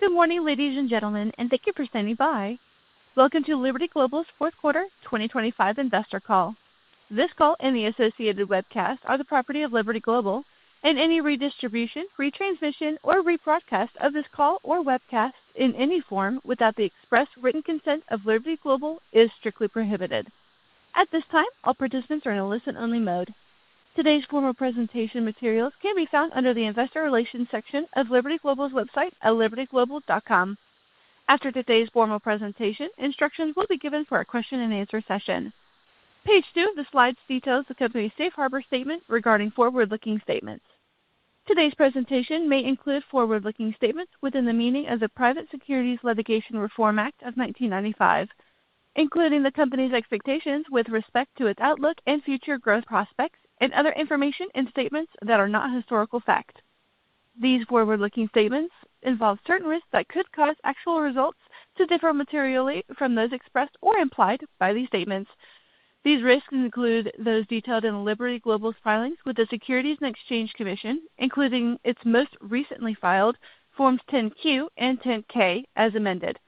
Good morning, ladies and gentlemen, and thank you for standing by. Welcome to Liberty Global's fourth quarter 2025 investor call. This call and the associated webcast are the property of Liberty Global, and any redistribution, retransmission, or rebroadcast of this call or webcast in any form without the express written consent of Liberty Global is strictly prohibited. At this time, all participants are in a listen-only mode. Today's formal presentation materials can be found under the Investor Relations section of Liberty Global's website at libertyglobal.com. After today's formal presentation, instructions will be given for a question-and-answer session. Page two of the slides details the company's safe harbor statement regarding forward-looking statements. Today's presentation may include forward-looking statements within the meaning of the Private Securities Litigation Reform Act of 1995, including the company's expectations with respect to its outlook and future growth prospects and other information and statements that are not historical fact. These forward-looking statements involve certain risks that could cause actual results to differ materially from those expressed or implied by these statements. These risks include those detailed in Liberty Global's filings with the Securities and Exchange Commission, including its most recently filed Forms 10-Q and 10-K, as amended.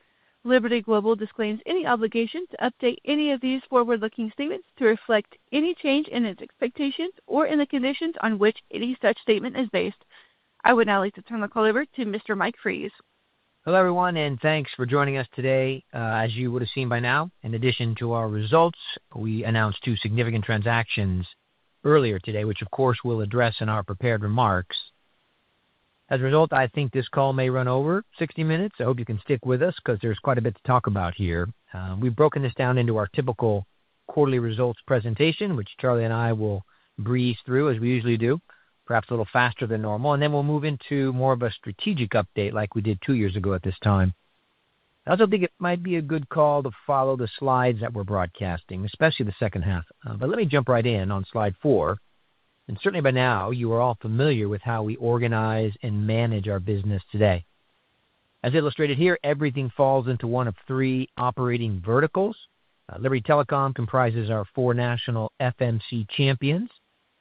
Liberty Global disclaims any obligation to update any of these forward-looking statements to reflect any change in its expectations or in the conditions on which any such statement is based. I would now like to turn the call over to Mr. Mike Fries. Hello, everyone, and thanks for joining us today. As you would have seen by now, in addition to our results, we announced two significant transactions earlier today, which of course, we'll address in our prepared remarks. As a result, I think this call may run over 60 minutes. I hope you can stick with us because there's quite a bit to talk about here. We've broken this down into our typical quarterly results presentation, which Charlie and I will breeze through as we usually do, perhaps a little faster than normal, and then we'll move into more of a strategic update like we did two years ago at this time. I also think it might be a good call to follow the slides that we're broadcasting, especially the second half. Let me jump right in on slide four, and certainly by now you are all familiar with how we organize and manage our business today. As illustrated here, everything falls into one of three operating verticals. Liberty Telecom comprises our four national FMC champions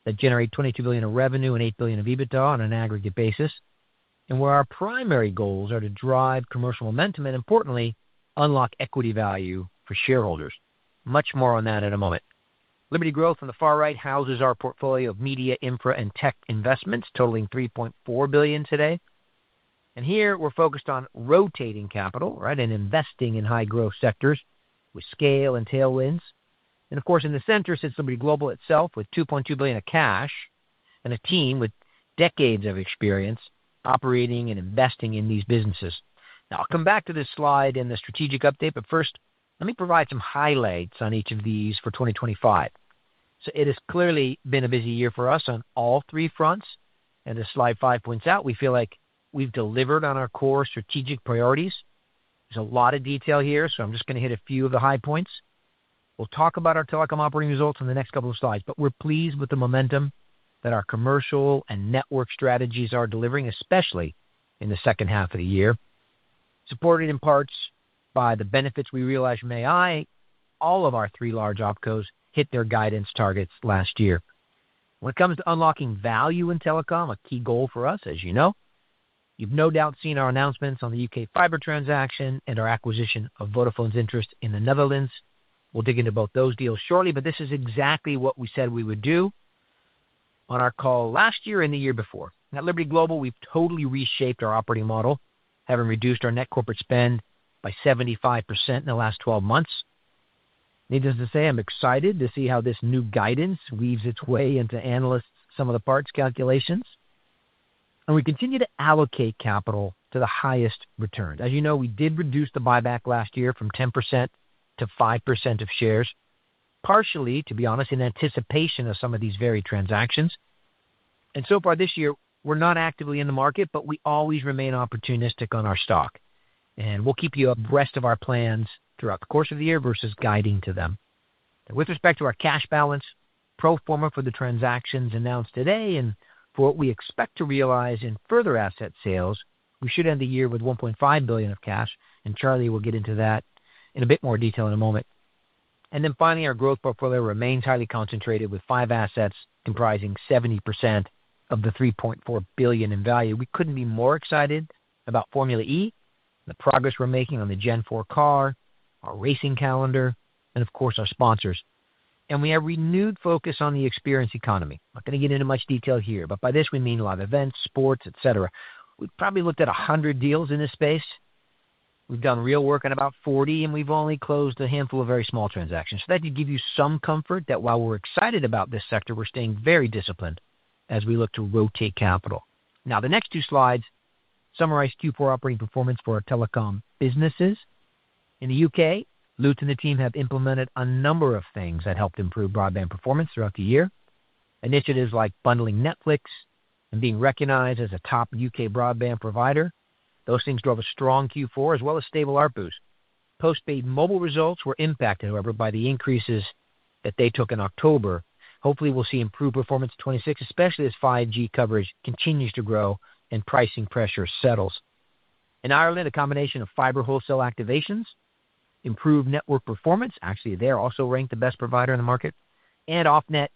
that generate $22 billion of revenue and $8 billion of EBITDA on an aggregate basis, and where our primary goals are to drive commercial momentum and importantly, unlock equity value for shareholders. Much more on that in a moment. Liberty Growth on the far right houses our portfolio of media, infra, and tech investments totaling $3.4 billion today. And here we're focused on rotating capital, right, and investing in high growth sectors with scale and tailwinds. Of course, in the center sits Liberty Global itself, with $2.2 billion of cash and a team with decades of experience operating and investing in these businesses. Now, I'll come back to this slide in the strategic update, but first, let me provide some highlights on each of these for 2025. It has clearly been a busy year for us on all three fronts, and as Slide 5 points out, we feel like we've delivered on our core strategic priorities. There's a lot of detail here, so I'm just going to hit a few of the high points. We'll talk about our telecom operating results in the next couple of slides, but we're pleased with the momentum that our commercial and network strategies are delivering, especially in the second half of the year, supported in parts by the benefits we realized from AI. All of our three large opcos hit their guidance targets last year. When it comes to unlocking value in telecom, a key goal for us, as you know, you've no doubt seen our announcements on the U.K. fiber transaction and our acquisition of Vodafone's interest in the Netherlands. We'll dig into both those deals shortly, but this is exactly what we said we would do on our call last year and the year before. At Liberty Global, we've totally reshaped our operating model, having reduced our net corporate spend by 75% in the last twelve months. Needless to say, I'm excited to see how this new guidance weaves its way into analysts' sum-of-the-parts calculations, and we continue to allocate capital to the highest returns. As you know, we did reduce the buyback last year from 10%-5% of shares, partially, to be honest, in anticipation of some of these very transactions, and so far this year, we're not actively in the market, but we always remain opportunistic on our stock. We'll keep you abreast of our plans throughout the course of the year versus guiding to them. With respect to our cash balance, pro forma for the transactions announced today and for what we expect to realize in further asset sales, we should end the year with $1.5 billion of cash, and Charlie will get into that in a bit more detail in a moment. Then finally, our growth portfolio remains highly concentrated, with five assets comprising 70% of the $3.4 billion in value. We couldn't be more excited about Formula E, the progress we're making on the Gen4 car, our racing calendar, and of course, our sponsors. We have renewed focus on the experience economy. I'm not going to get into much detail here, but by this we mean live events, sports, et cetera. We've probably looked at 100 deals in this space. We've done real work on about 40, and we've only closed a handful of very small transactions. That should give you some comfort that while we're excited about this sector, we're staying very disciplined as we look to rotate capital. Now, the next two slides summarize Q4 operating performance for our telecom businesses. In the U.K., Lutz and the team have implemented a number of things that helped improve broadband performance throughout the year. Initiatives like bundling Netflix and being recognized as a top U.K. broadband provider. Those things drove a strong Q4 as well as stable ARPU. Postpaid mobile results were impacted, however, by the increases that they took in October. Hopefully, we'll see improved performance in 2026, especially as 5G coverage continues to grow and pricing pressure settles. In Ireland, a combination of fiber wholesale activations. Improved network performance, actually, they're also ranked the best provider in the market, and off-net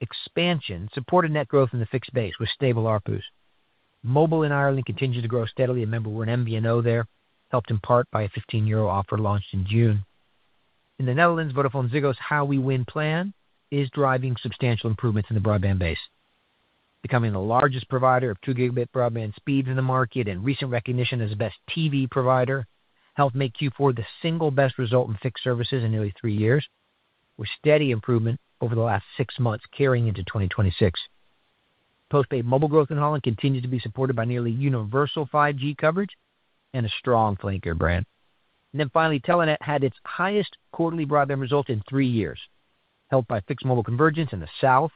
expansion supported net growth in the fixed base with stable ARPUs. Mobile in Ireland continues to grow steadily, and remember, we're an MVNO there, helped in part by a 15 offer launched in June. In the Netherlands, VodafoneZiggo's How We Win plan is driving substantial improvements in the broadband base, becoming the largest provider of 2 Gb broadband speeds in the market, and recent recognition as the best TV provider, helped make Q4 the single best result in fixed services in nearly three years, with steady improvement over the last six months carrying into 2026. Postpaid mobile growth in Holland continues to be supported by nearly universal 5G coverage and a strong flanker brand. And then finally, Telenet had its highest quarterly broadband result in three years, helped by fixed mobile convergence in the south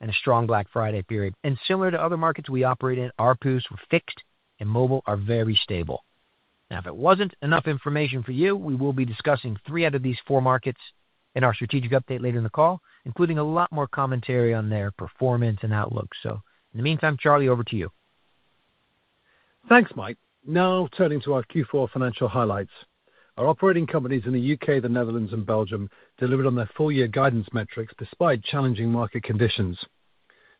and a strong Black Friday period. Similar to other markets we operate in, ARPUs with fixed and mobile are very stable. Now, if it wasn't enough information for you, we will be discussing three out of these four markets in our strategic update later in the call, including a lot more commentary on their performance and outlook. In the meantime, Charlie, over to you. Thanks, Mike. Now turning to our Q4 financial highlights. Our operating companies in the U.K., the Netherlands and Belgium delivered on their full year guidance metrics despite challenging market conditions.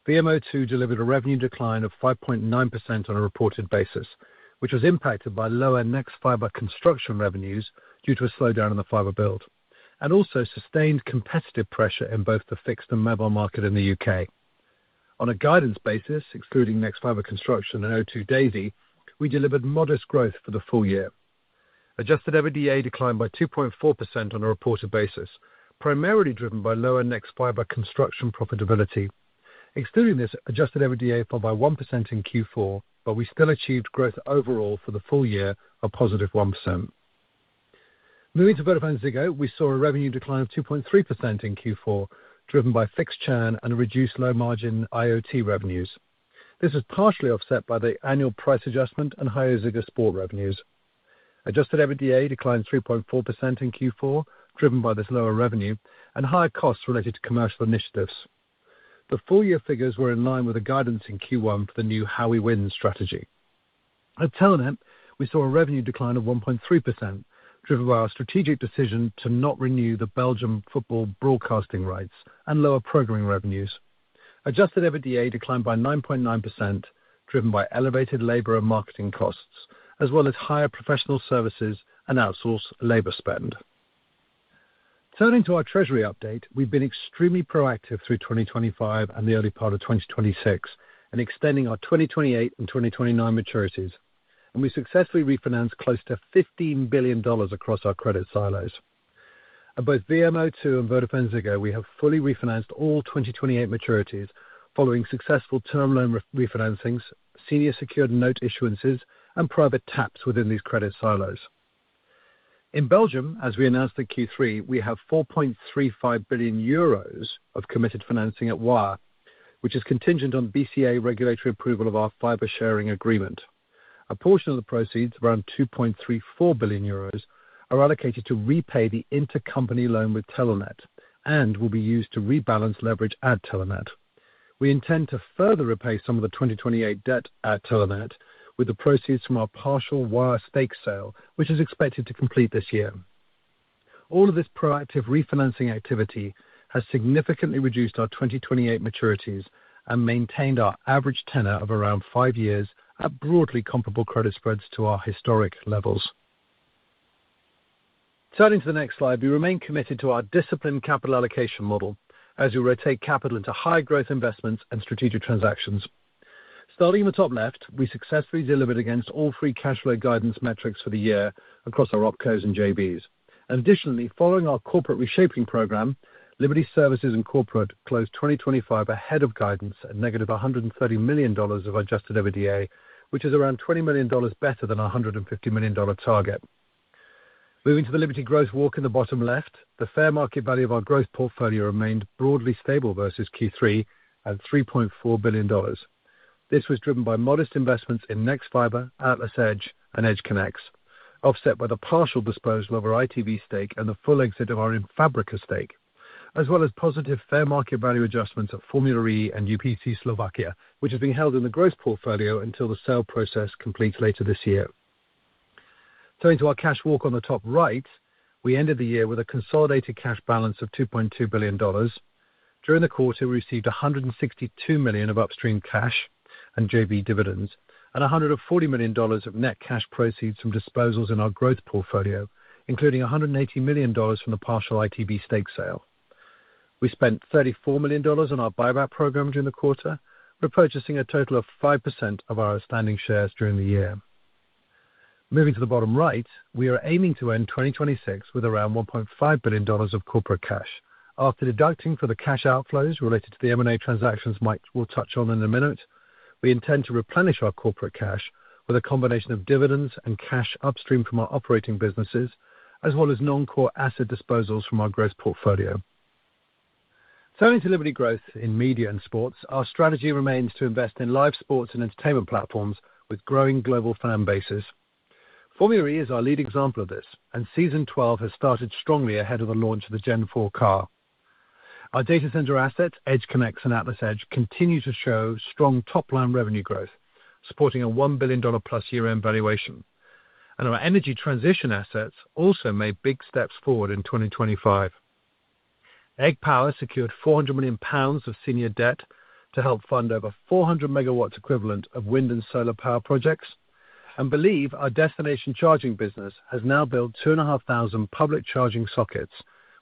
VMO2 delivered a revenue decline of 5.9% on a reported basis, which was impacted by lower Nexfibre construction revenues due to a slowdown in the fiber build, and also sustained competitive pressure in both the fixed and mobile market in the U.K. On a guidance basis, excluding Nexfibre construction and O2 Daisy, we delivered modest growth for the full year. Adjusted EBITDA declined by 2.4% on a reported basis, primarily driven by lower Nexfibre construction profitability. Excluding this, adjusted EBITDA fell by 1% in Q4, but we still achieved growth overall for the full year of +1%. Moving to VodafoneZiggo, we saw a revenue decline of 2.3% in Q4, driven by fixed churn and a reduced low margin IoT revenues. This was partially offset by the annual price adjustment and higher Ziggo Sport revenues. Adjusted EBITDA declined 3.4% in Q4, driven by this lower revenue and higher costs related to commercial initiatives. The full year figures were in line with the guidance in Q1 for the new How We Win strategy. At Telenet, we saw a revenue decline of 1.3%, driven by our strategic decision to not renew the Belgian football broadcasting rights and lower programming revenues. Adjusted EBITDA declined by 9.9%, driven by elevated labor and marketing costs, as well as higher professional services and outsourced labor spend. Turning to our treasury update, we've been extremely proactive through 2025 and the early part of 2026 in extending our 2028 and 2029 maturities, and we successfully refinanced close to $15 billion across our credit silos. At both Virgin Media O2 and VodafoneZiggo, we have fully refinanced all 2028 maturities, following successful term loan refinancings, senior secured note issuances, and private taps within these credit silos. In Belgium, as we announced in Q3, we have 4.35 billion euros of committed financing at Wyre, which is contingent on BCA regulatory approval of our fiber sharing agreement. A portion of the proceeds, around 2.34 billion euros, are allocated to repay the intercompany loan with Telenet and will be used to rebalance leverage at Telenet. We intend to further repay some of the 2028 debt at Telenet with the proceeds from our partial Wyre stake sale, which is expected to complete this year. All of this proactive refinancing activity has significantly reduced our 2028 maturities and maintained our average tenor of around five years at broadly comparable credit spreads to our historic levels. Turning to the next slide, we remain committed to our disciplined capital allocation model as we rotate capital into high growth investments and strategic transactions. Starting in the top left, we successfully delivered against all three cash flow guidance metrics for the year across our Opcos and JVs. Additionally, following our corporate reshaping program, Liberty Services and Corporate closed 2025 ahead of guidance at -$130 million of Adjusted EBITDA, which is around $20 million better than our $150 million target. Moving to the Liberty Growth walk in the bottom left, the fair market value of our growth portfolio remained broadly stable versus Q3 at $3.4 billion. This was driven by modest investments in Nexfibre, AtlasEdge, and EdgeConneX, offset by the partial disposal of our ITV stake and the full exit of our Infarm stake, as well as positive fair market value adjustments at Formula E and UPC Slovakia, which is being held in the growth portfolio until the sale process completes later this year. Turning to our cash walk on the top right, we ended the year with a consolidated cash balance of $2.2 billion. During the quarter, we received $162 million of upstream cash and JV dividends and $140 million of net cash proceeds from disposals in our growth portfolio, including $180 million from the partial ITV stake sale. We spent $34 million on our buyback program during the quarter, repurchasing a total of 5% of our outstanding shares during the year. Moving to the bottom right, we are aiming to end 2026 with around $1.5 billion of corporate cash. After deducting for the cash outflows related to the M&A transactions Mike will touch on in a minute, we intend to replenish our corporate cash with a combination of dividends and cash upstream from our operating businesses, as well as non-core asset disposals from our growth portfolio. Turning to Liberty growth in media and sports, our strategy remains to invest in live sports and entertainment platforms with growing global fan bases. Formula E is our lead example of this, and Season Twelve has started strongly ahead of the launch of the Gen4 car. Our data center assets, EdgeConneX and AtlasEdge, continue to show strong top-line revenue growth, supporting a $1 billion plus year-end valuation. Our energy transition assets also made big steps forward in 2025. Egg Power secured 400 million pounds of senior debt to help fund over 400 MW equivalent of wind and solar power projects. We believe our destination charging business has now built 2,500 public charging sockets,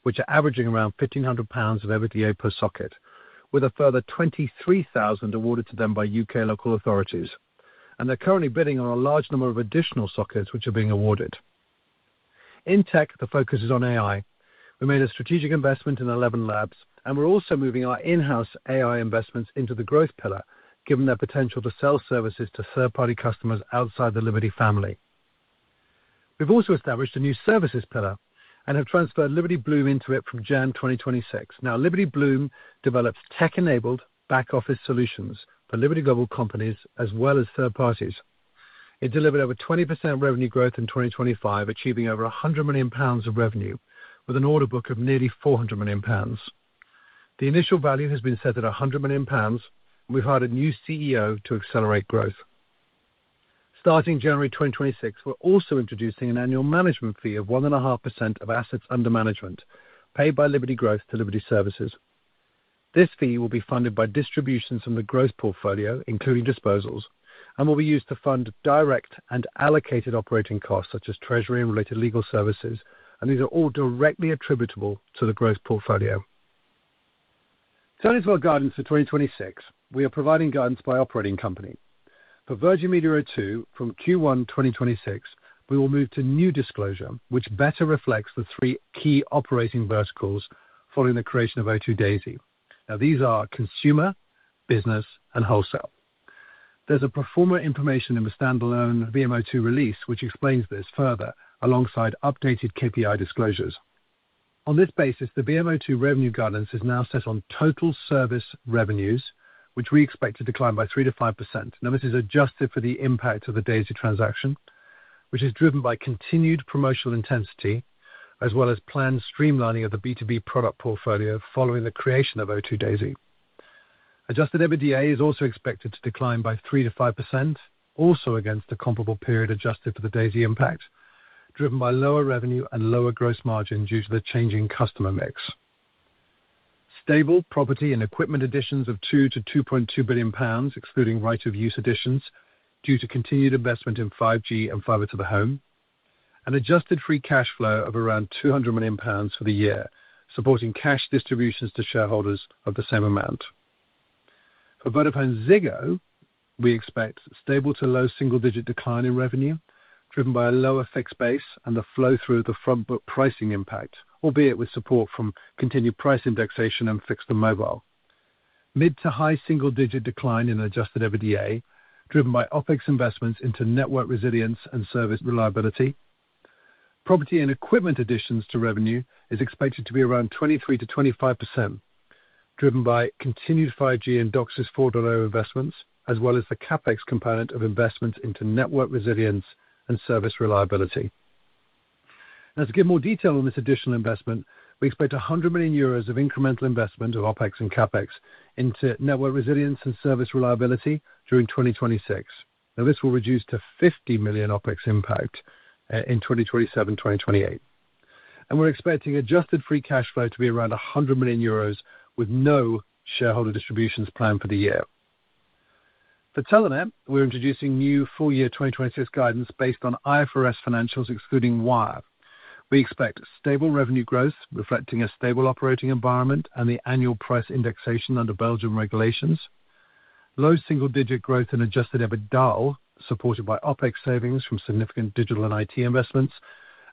which are averaging around 1,500 pounds of EBITDA per socket, with a further 23,000 awarded to them by U.K. local authorities. They're currently bidding on a large number of additional sockets, which are being awarded. In tech, the focus is on AI. We made a strategic investment in ElevenLabs, and we're also moving our in-house AI investments into the growth pillar, given their potential to sell services to third-party customers outside the Liberty family. We've also established a new services pillar and have transferred Liberty Bloom into it from January 2026. Now, Liberty Bloom develops tech-enabled back-office solutions for Liberty Global companies as well as third parties. It delivered over 20% revenue growth in 2025, achieving over 100 million pounds of revenue, with an order book of nearly 400 million pounds. The initial value has been set at 100 million pounds, and we've hired a new CEO to accelerate growth. Starting January 2026, we're also introducing an annual management fee of 1.5% of assets under management, paid by Liberty Growth to Liberty Services. This fee will be funded by distributions from the growth portfolio, including disposals, and will be used to fund direct and allocated operating costs, such as treasury and related legal services, and these are all directly attributable to the growth portfolio. Turning to our guidance for 2026, we are providing guidance by operating company. For Virgin Media O2, from Q1 2026, we will move to new disclosure, which better reflects the three key operating verticals following the creation of O2 Daisy. Now these are consumer, business, and wholesale. There's a pro forma information in the standalone VMO2 release, which explains this further, alongside updated KPI disclosures. On this basis, the VMO2 revenue guidance is now set on total service revenues, which we expect to decline by 3%-5%. Now, this is adjusted for the impact of the Daisy transaction, which is driven by continued promotional intensity as well as planned streamlining of the B2B product portfolio following the creation of O2 Daisy. Adjusted EBITDA is also expected to decline by 3%-5%, also against the comparable period adjusted for the Daisy impact, driven by lower revenue and lower gross margin due to the changing customer mix. Stable property and equipment additions of 2 billion-2.2 billion pounds, excluding right of use additions, due to continued investment in 5G and fiber to the home. An adjusted free cash flow of around 200 million pounds for the year, supporting cash distributions to shareholders of the same amount. For Vodafone Ziggo, we expect stable to low single-digit decline in revenue, driven by a lower fixed base and the flow through the front book pricing impact, albeit with support from continued price indexation and fixed to mobile. Mid to high single-digit decline in Adjusted EBITDA, driven by OpEx investments into network resilience and service reliability. Property and equipment additions to revenue is expected to be around 23%-25%, driven by continued 5G and DOCSIS 4.0 investments, as well as the CapEx component of investments into network resilience and service reliability. Now, to give more detail on this additional investment, we expect 100 million euros of incremental investment of OpEx and CapEx into network resilience and service reliability during 2026. Now, this will reduce to 50 million OpEx impact in 2027, 2028. We're expecting adjusted free cash flow to be around 100 million euros with no shareholder distributions planned for the year. For Telenet, we're introducing new full year 2026 guidance based on IFRS financials, excluding Wyre. We expect stable revenue growth, reflecting a stable operating environment and the annual price indexation under Belgian regulations. Low single-digit growth in Adjusted EBITDA, supported by OpEx savings from significant digital and IT investments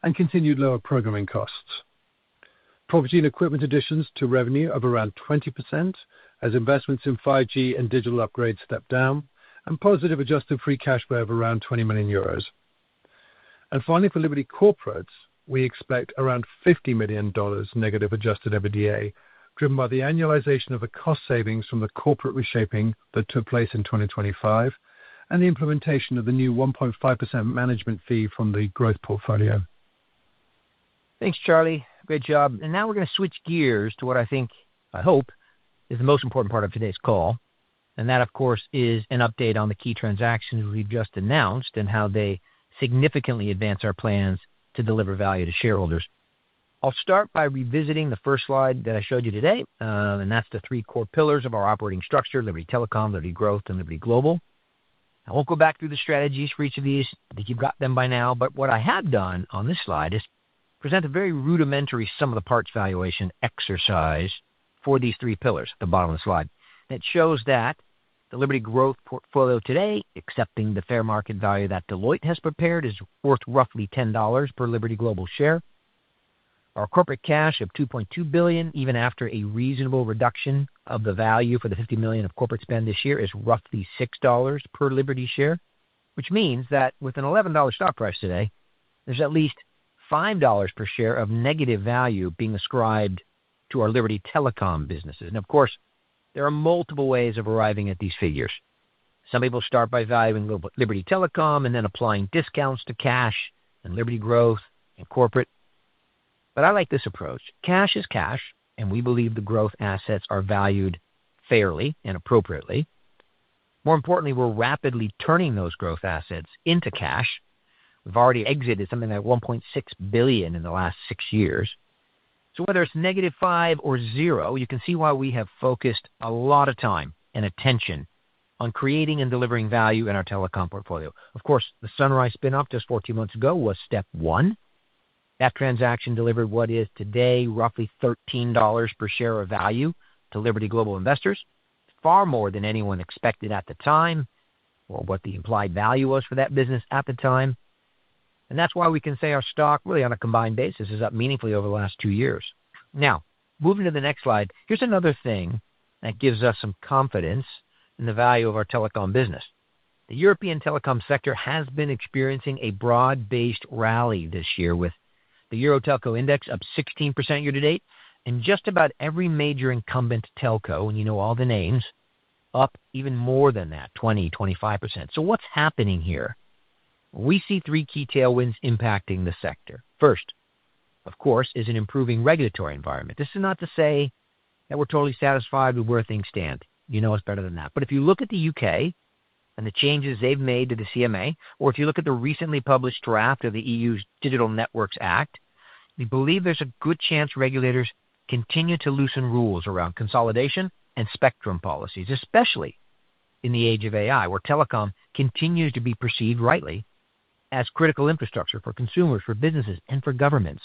and continued lower programming costs. Property and equipment additions to revenue of around 20%, as investments in 5G and digital upgrades step down, and positive adjusted free cash flow of around 20 million euros. And finally, for Liberty Corporate, we expect around $50 million negative Adjusted EBITDA, driven by the annualization of the cost savings from the corporate reshaping that took place in 2025, and the implementation of the new 1.5% management fee from the growth portfolio. Thanks, Charlie. Great job. And now we're gonna switch gears to what I think, I hope, is the most important part of today's call, and that, of course, is an update on the key transactions we've just announced and how they significantly advance our plans to deliver value to shareholders. I'll start by revisiting the first slide that I showed you today, and that's the three core pillars of our operating structure: Liberty Telecom, Liberty Growth, and Liberty Global. I won't go back through the strategies for each of these. I think you've got them by now. But what I have done on this slide is present a very rudimentary some of the parts valuation exercise for these three pillars at the bottom of the slide. That shows that the Liberty Global growth portfolio today, accepting the fair market value that Deloitte has prepared, is worth roughly $10 per Liberty Global share. Our corporate cash of $2.2 billion, even after a reasonable reduction of the value for the $50 million of corporate spend this year, is roughly $6 per Liberty share. Which means that with an $11 stock price today, there's at least $5 per share of negative value being ascribed to our Liberty Telecom businesses. And of course, there are multiple ways of arriving at these figures.... Some people start by valuing Liberty Global telecom and then applying discounts to cash and Liberty Global growth and corporate. But I like this approach. Cash is cash, and we believe the growth assets are valued fairly and appropriately. More importantly, we're rapidly turning those growth assets into cash. We've already exited something like $1.6 billion in the last six years. So whether it's -5 or zero, you can see why we have focused a lot of time and attention on creating and delivering value in our telecom portfolio. Of course, the Sunrise spin-off just 14 months ago was step one. That transaction delivered what is today roughly $13 per share of value to Liberty Global investors, far more than anyone expected at the time or what the implied value was for that business at the time. And that's why we can say our stock, really, on a combined basis, is up meaningfully over the last two years. Now, moving to the next slide, here's another thing that gives us some confidence in the value of our telecom business. The European telecom sector has been experiencing a broad-based rally this year, with the Euro Telco index up 16% year to date, and just about every major incumbent telco, and you know all the names, up even more than that, 20%-25%. So what's happening here? We see three key tailwinds impacting the sector. First, of course, is an improving regulatory environment. This is not to say that we're totally satisfied with where things stand. You know it's better than that. But if you look at the U.K. and the changes they've made to the CMA, or if you look at the recently published draft of the EU's Digital Networks Act, we believe there's a good chance regulators continue to loosen rules around consolidation and spectrum policies, especially in the age of AI, where telecom continues to be perceived rightly as critical infrastructure for consumers, for businesses, and for governments.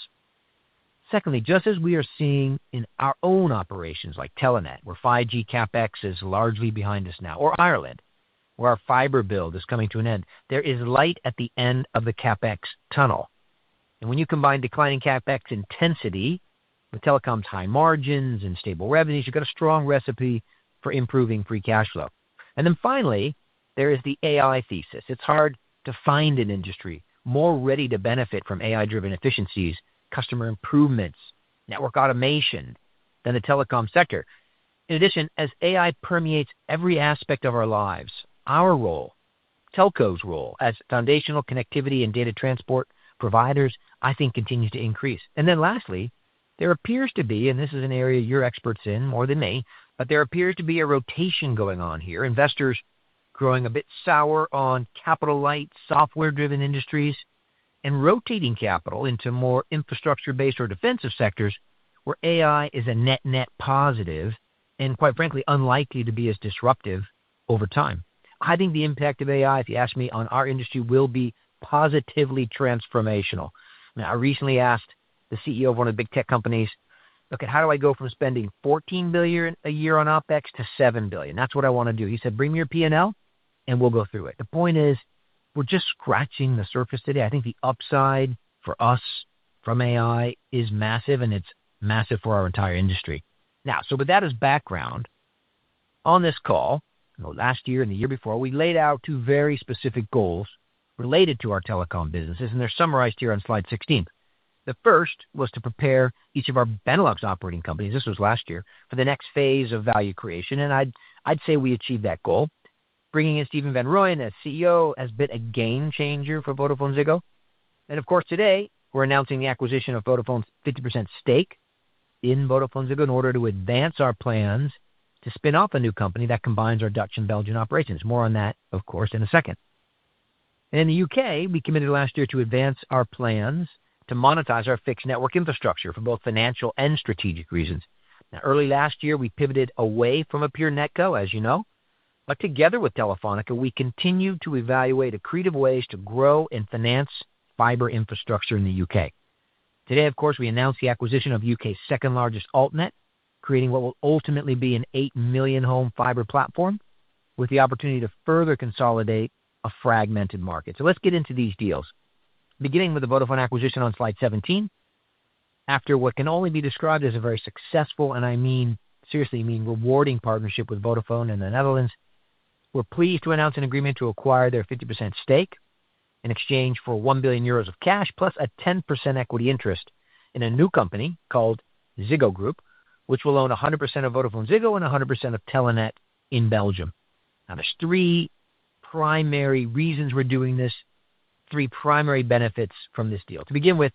Secondly, just as we are seeing in our own operations, like Telenet, where 5G CapEx is largely behind us now, or Ireland, where our fiber build is coming to an end, there is light at the end of the CapEx tunnel. When you combine declining CapEx intensity with telecom's high margins and stable revenues, you've got a strong recipe for improving free cash flow. Then finally, there is the AI thesis. It's hard to find an industry more ready to benefit from AI-driven efficiencies, customer improvements, network automation than the telecom sector. In addition, as AI permeates every aspect of our lives, our role, telco's role as foundational connectivity and data transport providers, I think, continues to increase. And then lastly, there appears to be, and this is an area you're experts in more than me, but there appears to be a rotation going on here. Investors growing a bit sour on capital-light, software-driven industries and rotating capital into more infrastructure-based or defensive sectors where AI is a net-net positive and quite frankly, unlikely to be as disruptive over time. I think the impact of AI, if you ask me, on our industry, will be positively transformational. Now, I recently asked the CEO of one of the big tech companies, "Look, how do I go from spending $14 billion a year on OpEx to $7 billion? That's what I want to do." He said, "Bring me your P&L, and we'll go through it." The point is, we're just scratching the surface today. I think the upside for us from AI is massive, and it's massive for our entire industry. Now, so with that as background, on this call, last year and the year before, we laid out two very specific goals related to our telecom businesses, and they're summarized here on Slide 16. The first was to prepare each of our Benelux operating companies, this was last year, for the next phase of value creation, and I'd, I'd say we achieved that goal. Bringing in Stephen van Rooyen as CEO has been a game changer for VodafoneZiggo. And of course, today we're announcing the acquisition of Vodafone's 50% stake in VodafoneZiggo in order to advance our plans to spin off a new company that combines our Dutch and Belgian operations. More on that, of course, in a second. And in the U.K., we committed last year to advance our plans to monetize our fixed network infrastructure for both financial and strategic reasons. Now, early last year, we pivoted away from a pure netco, as you know. But together with Telefónica, we continued to evaluate accretive ways to grow and finance fiber infrastructure in the U.K. Today, of course, we announced the acquisition of U.K.'s second-largest Altnet, creating what will ultimately be an 8 million home fiber platform with the opportunity to further consolidate a fragmented market. So let's get into these deals. Beginning with the Vodafone acquisition on Slide 17. After what can only be described as a very successful, and I mean, seriously mean rewarding partnership with Vodafone in the Netherlands, we're pleased to announce an agreement to acquire their 50% stake in exchange for 1 billion euros of cash, plus a 10% equity interest in a new company called Ziggo Group, which will own 100% of Vodafone Ziggo and 100% of Telenet in Belgium. Now, there's three primary reasons we're doing this, three primary benefits from this deal. To begin with,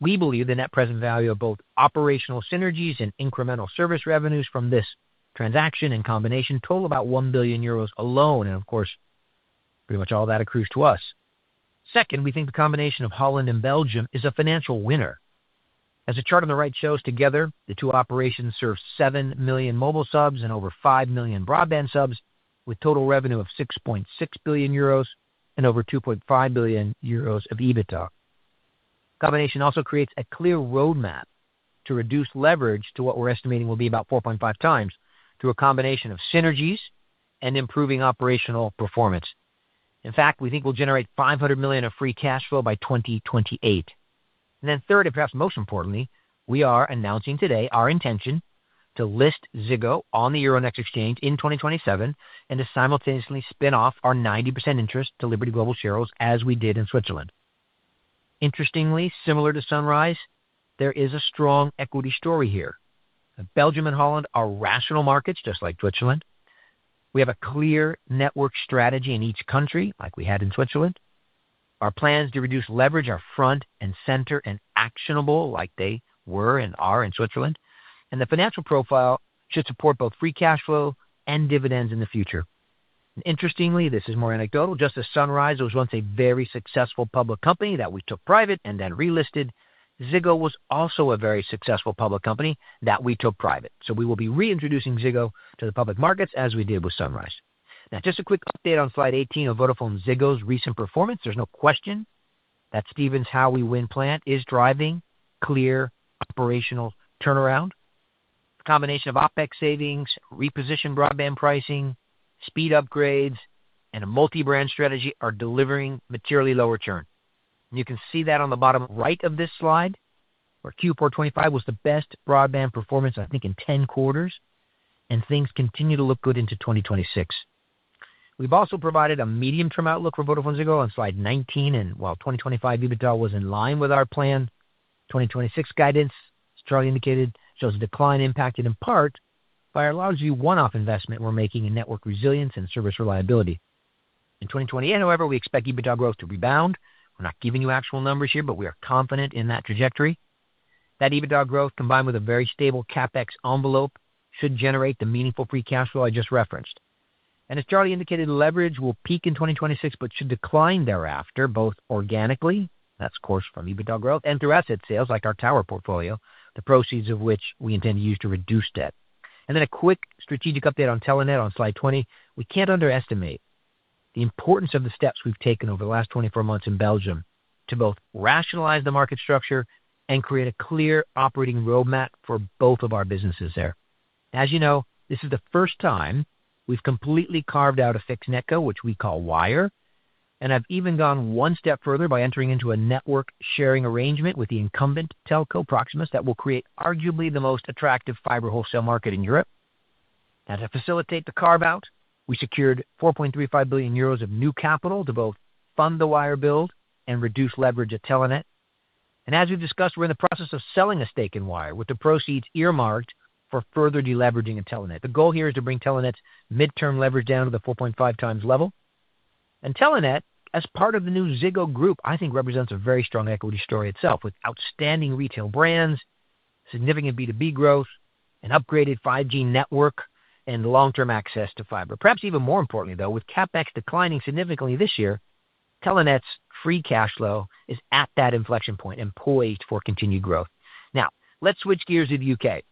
we believe the net present value of both operational synergies and incremental service revenues from this transaction and combination total about 1 billion euros alone, and of course, pretty much all that accrues to us. Second, we think the combination of Holland and Belgium is a financial winner. As the chart on the right shows, together, the two operations serve 7 million mobile subs and over 5 million broadband subs, with total revenue of 6.6 billion euros and over 2.5 billion euros of EBITDA. Combination also creates a clear roadmap to reduce leverage to what we're estimating will be about 4.5 times, through a combination of synergies and improving operational performance. In fact, we think we'll generate 500 million of free cash flow by 2028. And then third, and perhaps most importantly, we are announcing today our intention to list Ziggo on the Euronext exchange in 2027 and to simultaneously spin off our 90% interest to Liberty Global shareholders, as we did in Switzerland. Interestingly, similar to Sunrise, there is a strong equity story here. Belgium and Holland are rational markets, just like Switzerland. We have a clear network strategy in each country, like we had in Switzerland. Our plans to reduce leverage are front and center and actionable, like they were and are in Switzerland, and the financial profile should support both free cash flow and dividends in the future. Interestingly, this is more anecdotal. Just as Sunrise was once a very successful public company that we took private and then relisted, Ziggo was also a very successful public company that we took private. So we will be reintroducing Ziggo to the public markets, as we did with Sunrise. Now, just a quick update on Slide 18 of VodafoneZiggo's recent performance. There's no question that Stephen's How We Win plan is driving clear operational turnaround. A combination of OpEx savings, repositioned broadband pricing, speed upgrades, and a multi-brand strategy are delivering materially lower churn. You can see that on the bottom right of this slide, where Q4 2025 was the best broadband performance, I think, in 10 quarters, and things continue to look good into 2026. We've also provided a medium-term outlook for VodafoneZiggo on Slide 19, and while 2025 EBITDA was in line with our plan, 2026 guidance, as Charlie indicated, shows a decline impacted in part by our large one-off investment we're making in network resilience and service reliability. In 2028 however, we expect EBITDA growth to rebound. We're not giving you actual numbers here, but we are confident in that trajectory. That EBITDA growth, combined with a very stable CapEx envelope, should generate the meaningful free cash flow I just referenced. And as Charlie indicated, leverage will peak in 2026, but should decline thereafter, both organically, that's of course, from EBITDA growth and through asset sales like our tower portfolio, the proceeds of which we intend to use to reduce debt. And then a quick strategic update on Telenet on Slide 20. We can't underestimate the importance of the steps we've taken over the last 24 months in Belgium to both rationalize the market structure and create a clear operating roadmap for both of our businesses there. As you know, this is the first time we've completely carved out a fixed NetCo, which we call Wyre, and I've even gone one step further by entering into a network sharing arrangement with the incumbent telco, Proximus. That will create arguably the most attractive fiber wholesale market in Europe. Now, to facilitate the carve-out, we secured 4.35 billion euros of new capital to both fund the Wyre build and reduce leverage at Telenet. As we've discussed, we're in the process of selling a stake in Wyre, with the proceeds earmarked for further deleveraging at Telenet. The goal here is to bring Telenet's midterm leverage down to the 4.5x level. Telenet, as part of the new Ziggo Group, I think represents a very strong equity story itself, with outstanding retail brands, significant B2B growth, an upgraded 5G network, and long-term access to fiber. Perhaps even more importantly, though, with CapEx declining significantly this year, Telenet's free cash flow is at that inflection point and poised for continued growth. Now, let's switch gears to the U.K.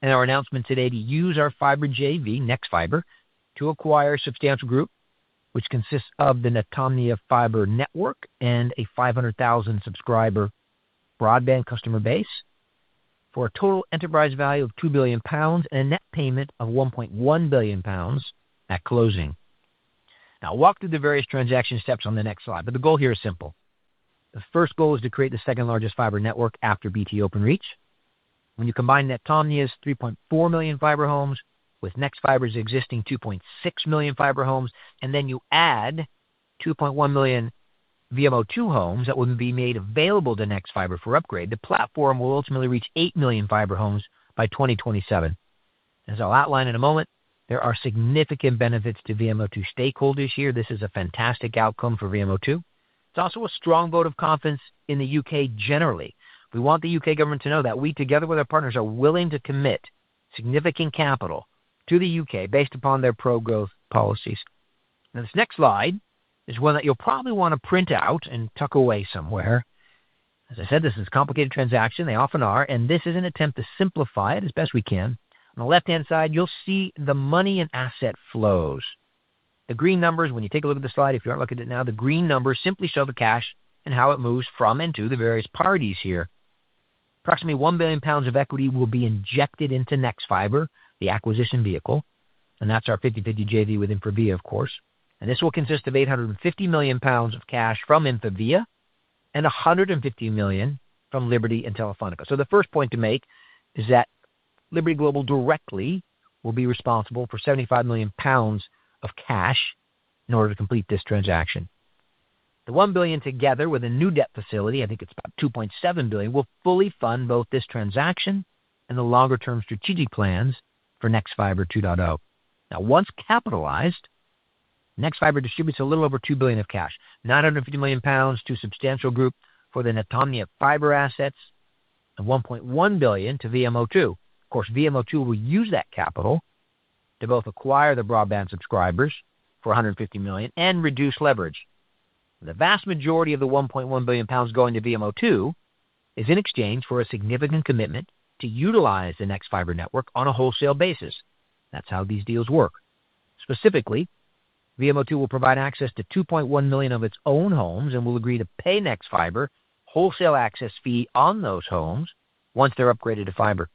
and our announcement today to use our fiber JV, Nexfibre, to acquire Substantial Group, which consists of the Netomnia fiber network and a 500,000 subscriber broadband customer base, for a total enterprise value of 2 billion pounds and a net payment of 1.1 billion pounds at closing. Now, I'll walk through the various transaction steps on the next slide, but the goal here is simple. The first goal is to create the second largest fiber network after BT Openreach. When you combine Netomnia's 3.4 million fiber homes with Nexfibre's existing 2.6 million fiber homes, and then you add 2.1 million VMO2 homes that will be made available to Nexfibre for upgrade, the platform will ultimately reach 8 million fiber homes by 2027. As I'll outline in a moment, there are significant benefits to VMO2 stakeholders here. This is a fantastic outcome for VMO2. It's also a strong vote of confidence in the U.K. generally. We want the U.K. government to know that we, together with our partners, are willing to commit significant capital to the U.K. based upon their pro-growth policies. Now, this next slide is one that you'll probably want to print out and tuck away somewhere. As I said, this is a complicated transaction. They often are, and this is an attempt to simplify it as best we can. On the left-hand side, you'll see the money and asset flows. The green numbers, when you take a look at the slide, if you aren't looking at it now, the green numbers simply show the cash and how it moves from and to the various parties here. Approximately 1 billion pounds of equity will be injected into Nexfibre, the acquisition vehicle, and that's our 50/50 JV with InfraVia, of course. This will consist of 850 million pounds of cash from InfraVia and 150 million from Liberty and Telefónica. The first point to make is that Liberty Global directly will be responsible for 75 million pounds of cash in order to complete this transaction. The 1 billion, together with a new debt facility, I think it's about 2.7 billion, will fully fund both this transaction and the longer-term strategic plans for Nexfibre 2.0. Now, once capitalized, Nexfibre distributes a little over 2 billion of cash, 950 million pounds to Substantial Group for the Netomnia fiber assets and 1.1 billion to VMO2. Of course, VMO2 will use that capital to both acquire the broadband subscribers for 150 million and reduce leverage. The vast majority of the 1.1 billion pounds going to VMO2 is in exchange for a significant commitment to utilize the Nexfibre network on a wholesale basis. That's how these deals work. Specifically, VMO2 will provide access to 2.1 million of its own homes and will agree to pay Nexfibre wholesale access fee on those homes once they're upgraded to fiber.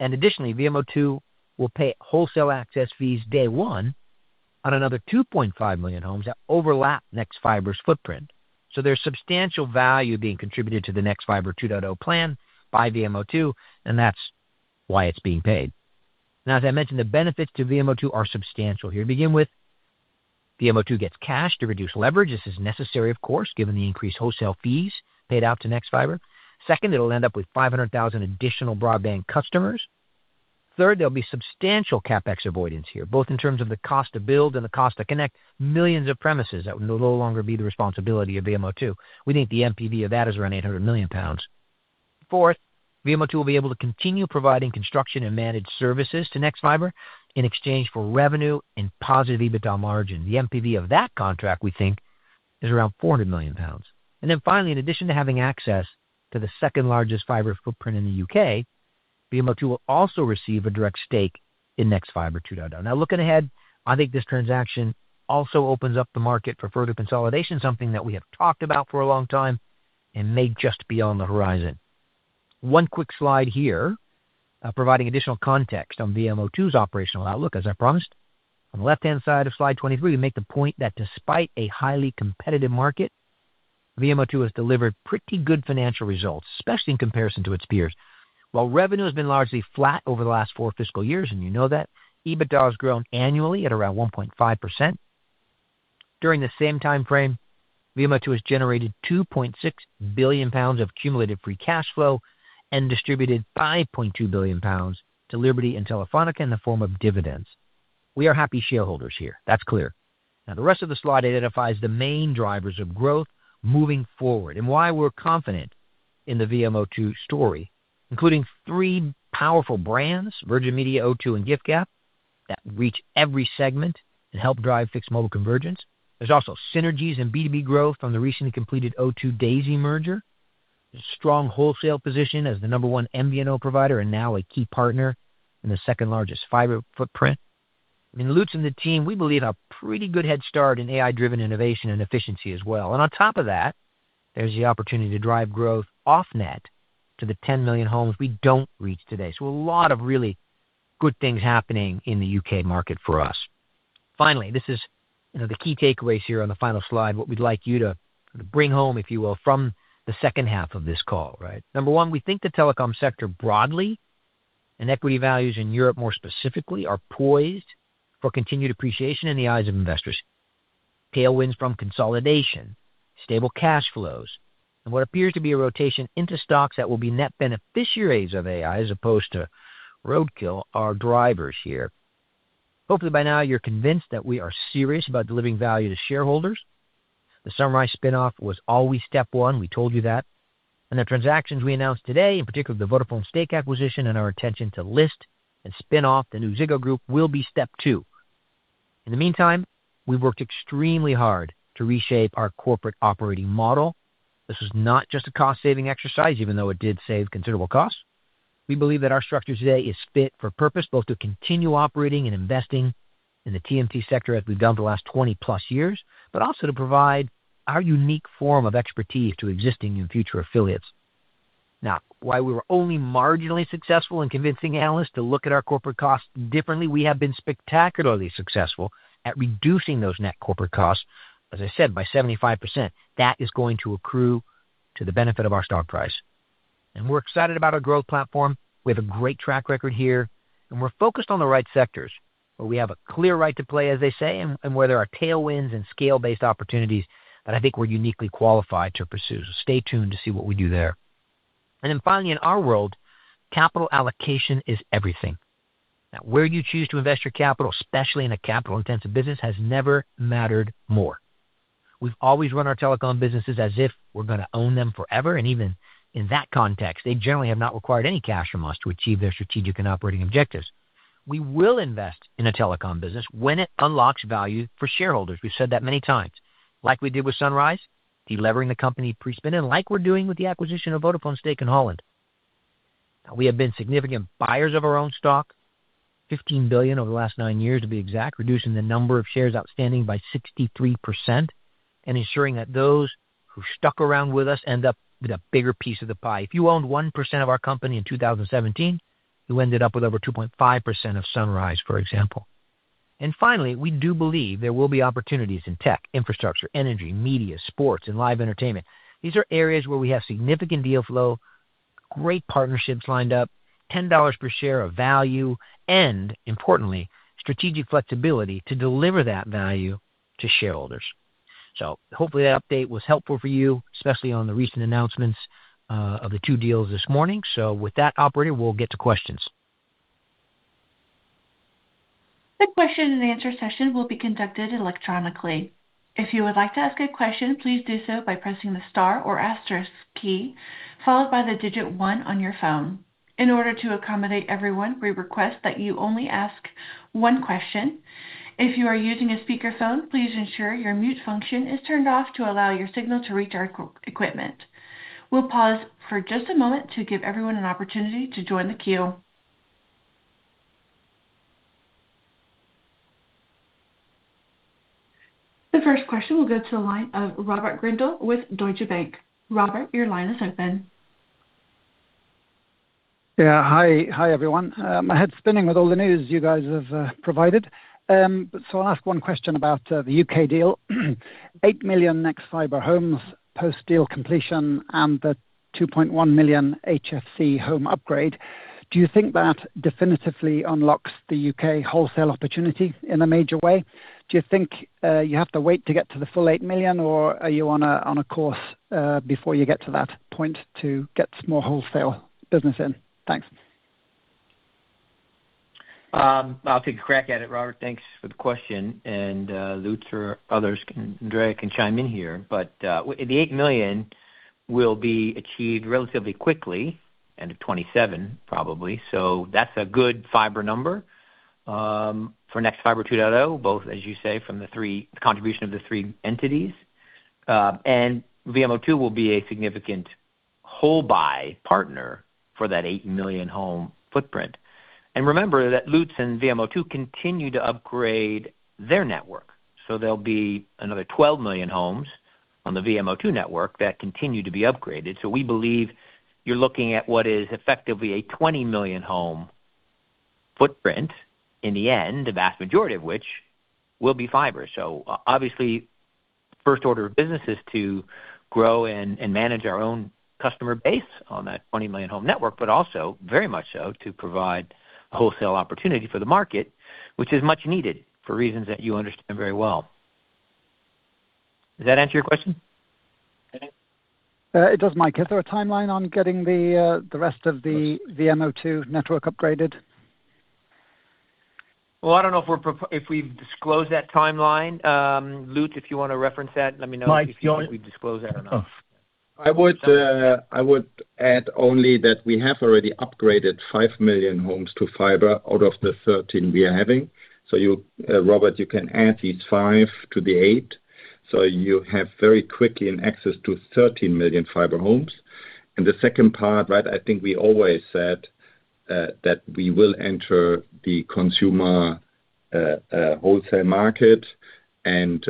And additionally, VMO2 will pay wholesale access fees day one on another 2.5 million homes that overlap Nexfibre's footprint. So there's substantial value being contributed to the Nexfibre 2.0 plan by VMO2, and that's why it's being paid. Now, as I mentioned, the benefits to VMO2 are substantial here. To begin with, VMO2 gets cash to reduce leverage. This is necessary, of course, given the increased wholesale fees paid out to Nexfibre. Second, it'll end up with 500,000 additional broadband customers. Third, there'll be substantial CapEx avoidance here, both in terms of the cost to build and the cost to connect millions of premises that would no longer be the responsibility of VMO2. We think the NPV of that is around 800 million pounds. Fourth, VMO2 will be able to continue providing construction and managed services to Nexfibre in exchange for revenue and positive EBITDA margin. The NPV of that contract, we think, is around 400 million pounds. And then finally, in addition to having access to the second largest fiber footprint in the U.K. VMO2 will also receive a direct stake in Nexfibre 2.0. Now, looking ahead, I think this transaction also opens up the market for further consolidation, something that we have talked about for a long time and may just be on the horizon. One quick slide here, providing additional context on VMO2's operational outlook, as I promised. On the left-hand side of Slide 23, we make the point that despite a highly competitive market, VMO2 has delivered pretty good financial results, especially in comparison to its peers. While revenue has been largely flat over the last four fiscal years, and you know that, EBITDA has grown annually at around 1.5%. During the same time frame, VMO2 has generated 2.6 billion pounds of cumulative free cash flow and distributed 5.2 billion pounds to Liberty and Telefónica in the form of dividends. We are happy shareholders here. That's clear. Now, the rest of the slide identifies the main drivers of growth moving forward and why we're confident in the VMO2 story, including three powerful brands, Virgin Media, O2, and giffgaff, that reach every segment and help drive fixed mobile convergence. There's also synergies and B2B growth from the recently completed O2 Daisy merger, a strong wholesale position as the number one MVNO provider and now a key partner in the second largest fiber footprint. I mean, Lutz and the team, we believe, have pretty good head start in AI-driven innovation and efficiency as well. And on top of that, there's the opportunity to drive growth off net to the 10 million homes we don't reach today. So a lot of really good things happening in the UK market for us. Finally, this is, you know, the key takeaways here on the final slide. What we'd like you to bring home, if you will, from the second half of this call, right? Number one, we think the telecom sector broadly, and equity values in Europe more specifically, are poised for continued appreciation in the eyes of investors. Tailwinds from consolidation, stable cash flows, and what appears to be a rotation into stocks that will be net beneficiaries of AI, as opposed to roadkill, are drivers here. Hopefully, by now you're convinced that we are serious about delivering value to shareholders. The Sunrise spin-off was always step one. We told you that. And the transactions we announced today, in particular, the Vodafone stake acquisition and our attention to list and spin off the new Ziggo Group, will be step two. In the meantime, we've worked extremely hard to reshape our corporate operating model. This is not just a cost-saving exercise, even though it did save considerable costs. We believe that our structure today is fit for purpose, both to continue operating and investing in the TMT sector as we've done for the last 20+ years, but also to provide our unique form of expertise to existing and future affiliates. Now, while we were only marginally successful in convincing analysts to look at our corporate costs differently, we have been spectacularly successful at reducing those net corporate costs, as I said, by 75%. That is going to accrue to the benefit of our stock price. And we're excited about our growth platform. We have a great track record here, and we're focused on the right sectors, where we have a clear right to play, as they say, and where there are tailwinds and scale-based opportunities that I think we're uniquely qualified to pursue. So stay tuned to see what we do there. And then finally, in our world, capital allocation is everything. Now, where you choose to invest your capital, especially in a capital-intensive business, has never mattered more. We've always run our telecom businesses as if we're going to own them forever, and even in that context, they generally have not required any cash from us to achieve their strategic and operating objectives. We will invest in a telecom business when it unlocks value for shareholders. We've said that many times, like we did with Sunrise, delevering the company pre-spin and like we're doing with the acquisition of Vodafone stake in Holland. Now, we have been significant buyers of our own stock, $15 billion over the last nine years, to be exact, reducing the number of shares outstanding by 63% and ensuring that those who stuck around with us end up with a bigger piece of the pie. If you owned 1% of our company in 2017, you ended up with over 2.5% of Sunrise, for example. And finally, we do believe there will be opportunities in tech, infrastructure, energy, media, sports, and live entertainment. These are areas where we have significant deal flow, great partnerships lined up, $10 per share of value, and importantly, strategic flexibility to deliver that value to shareholders. So hopefully, that update was helpful for you, especially on the recent announcements of the two deals this morning. So with that, operator, we'll get to questions. The question and answer session will be conducted electronically. If you would like to ask a question, please do so by pressing the star or asterisk key, followed by the digit 1 on your phone. In order to accommodate everyone, we request that you only ask one question. If you are using a speakerphone, please ensure your mute function is turned off to allow your signal to reach our Q&A equipment. We'll pause for just a moment to give everyone an opportunity to join the queue. The first question will go to the line of Robert Grindle with Deutsche Bank. Robert, your line is open. Yeah. Hi. Hi, everyone. My head's spinning with all the news you guys have provided. So I'll ask one question about the U.K. deal. 8 million Nexfibre homes, post-deal completion, and the 2.1 million HFC home upgrade. Do you think that definitively unlocks the U.K. wholesale opportunity in a major way? Do you think you have to wait to get to the full 8 million, or are you on a course before you get to that point to get more wholesale business in? Thanks. I'll take a crack at it, Robert. Thanks for the question, and Lutz or others can, Andrea can chime in here. But the eight million will be achieved relatively quickly, end of 2027, probably. So that's a good fiber number for Nexfibre 2.0, both, as you say, from the contribution of the three entities. And VMO2 will be a significant wholesale buyer partner for that 8 million home footprint. And remember that Lutz and VMO2 continue to upgrade their network, so there'll be another 12 million homes on the VMO2 network that continue to be upgraded. So we believe you're looking at what is effectively a 20 million home footprint in the end, the vast majority of which will be fiber. So obviously, first order of business is to grow and manage our own customer base on that 20 million home network, but also very much so to provide a wholesale opportunity for the market, which is much needed for reasons that you understand very well. Does that answer your question? It does, Mike. Is there a timeline on getting the rest of the VMO2 network upgraded? Well, I don't know if we're. If we've disclosed that timeline. Lutz, if you want to reference that, let me know if we disclose that or not. I would add only that we have already upgraded 5 million homes to fiber out of the 13 we are having. So you, Robert, you can add these five to the eight, so you have very quickly an access to 13 million fiber homes. And the second part, right, I think we always said that we will enter the consumer wholesale market, and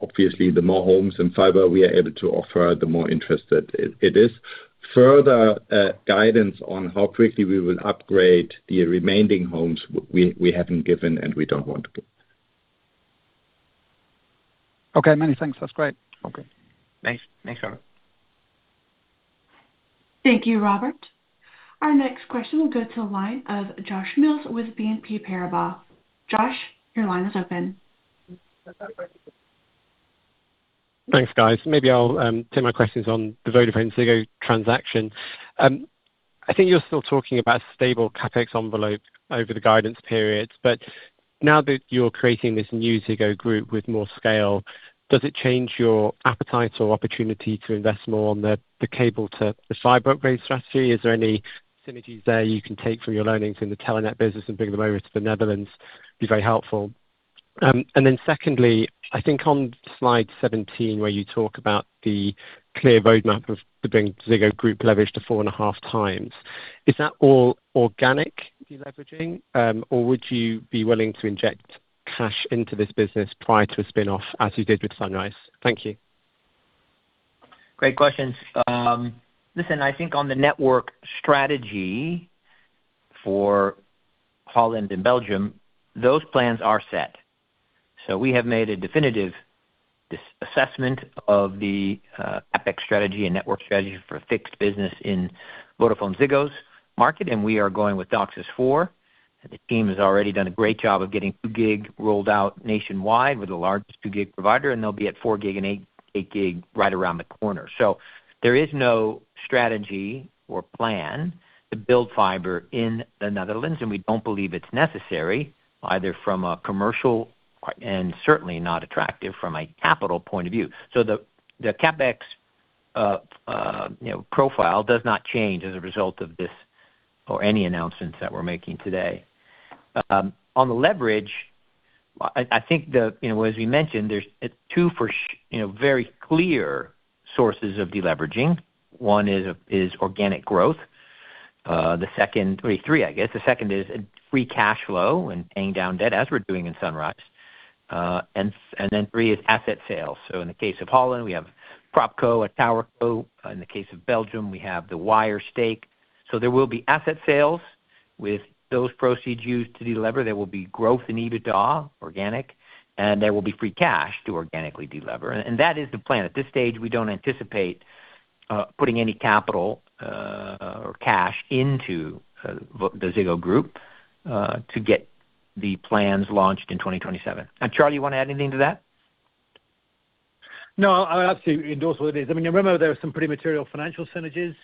obviously, the more homes and fiber we are able to offer, the more interested it is. Further guidance on how quickly we will upgrade the remaining homes, we haven't given and we don't want to give. Okay, many thanks. That's great. Okay. Thanks. Thanks, Robert. Thank you, Robert. Our next question will go to the line of Josh Mills with BNP Paribas. Josh, your line is open. Thanks, guys. Maybe I'll turn my questions on the VodafoneZiggo transaction. I think you're still talking about stable CapEx envelope over the guidance periods, but now that you're creating this new Ziggo Group with more scale, does it change your appetite or opportunity to invest more on the cable to the fiber upgrade strategy? Is there any synergies there you can take from your learnings in the Telenet business and bring them over to the Netherlands? Be very helpful. And then secondly, I think on Slide 17, where you talk about the clear roadmap of bringing Ziggo Group leverage to 4.5x, is that all organic deleveraging, or would you be willing to inject cash into this business prior to a spin-off, as you did with Sunrise? Thank you. Great questions. Listen, I think on the network strategy for Holland and Belgium, those plans are set. So we have made a definitive assessment of the, CapEx strategy and network strategy for a fixed business in VodafoneZiggo's market, and we are going with DOCSIS 4.0. And the team has already done a great job of getting 2 Gig rolled out nationwide with the largest 2 Gig provider, and they'll be at 4 Gig and 8 Gig right around the corner. So there is no strategy or plan to build fiber in the Netherlands, and we don't believe it's necessary, either from a commercial and certainly not attractive from a capital point of view. So the, the CapEx, you know, profile does not change as a result of this or any announcements that we're making today. On the leverage, I think, you know, as we mentioned, there's two, you know, very clear sources of deleveraging. One is organic growth. The second... or three, I guess. The second is free cash flow and paying down debt, as we're doing in Sunrise. And then three is asset sales. So in the case of Holland, we have PropCo, a tower co. In the case of Belgium, we have the Wyre stake. So there will be asset sales with those proceeds used to delever. There will be growth in EBITDA, organic, and there will be free cash to organically delever. And that is the plan. At this stage, we don't anticipate putting any capital or cash into the Ziggo Group to get the plans launched in 2027. Charlie, you want to add anything to that? No, I absolutely endorse what it is. I mean, remember, there are some pretty material financial synergies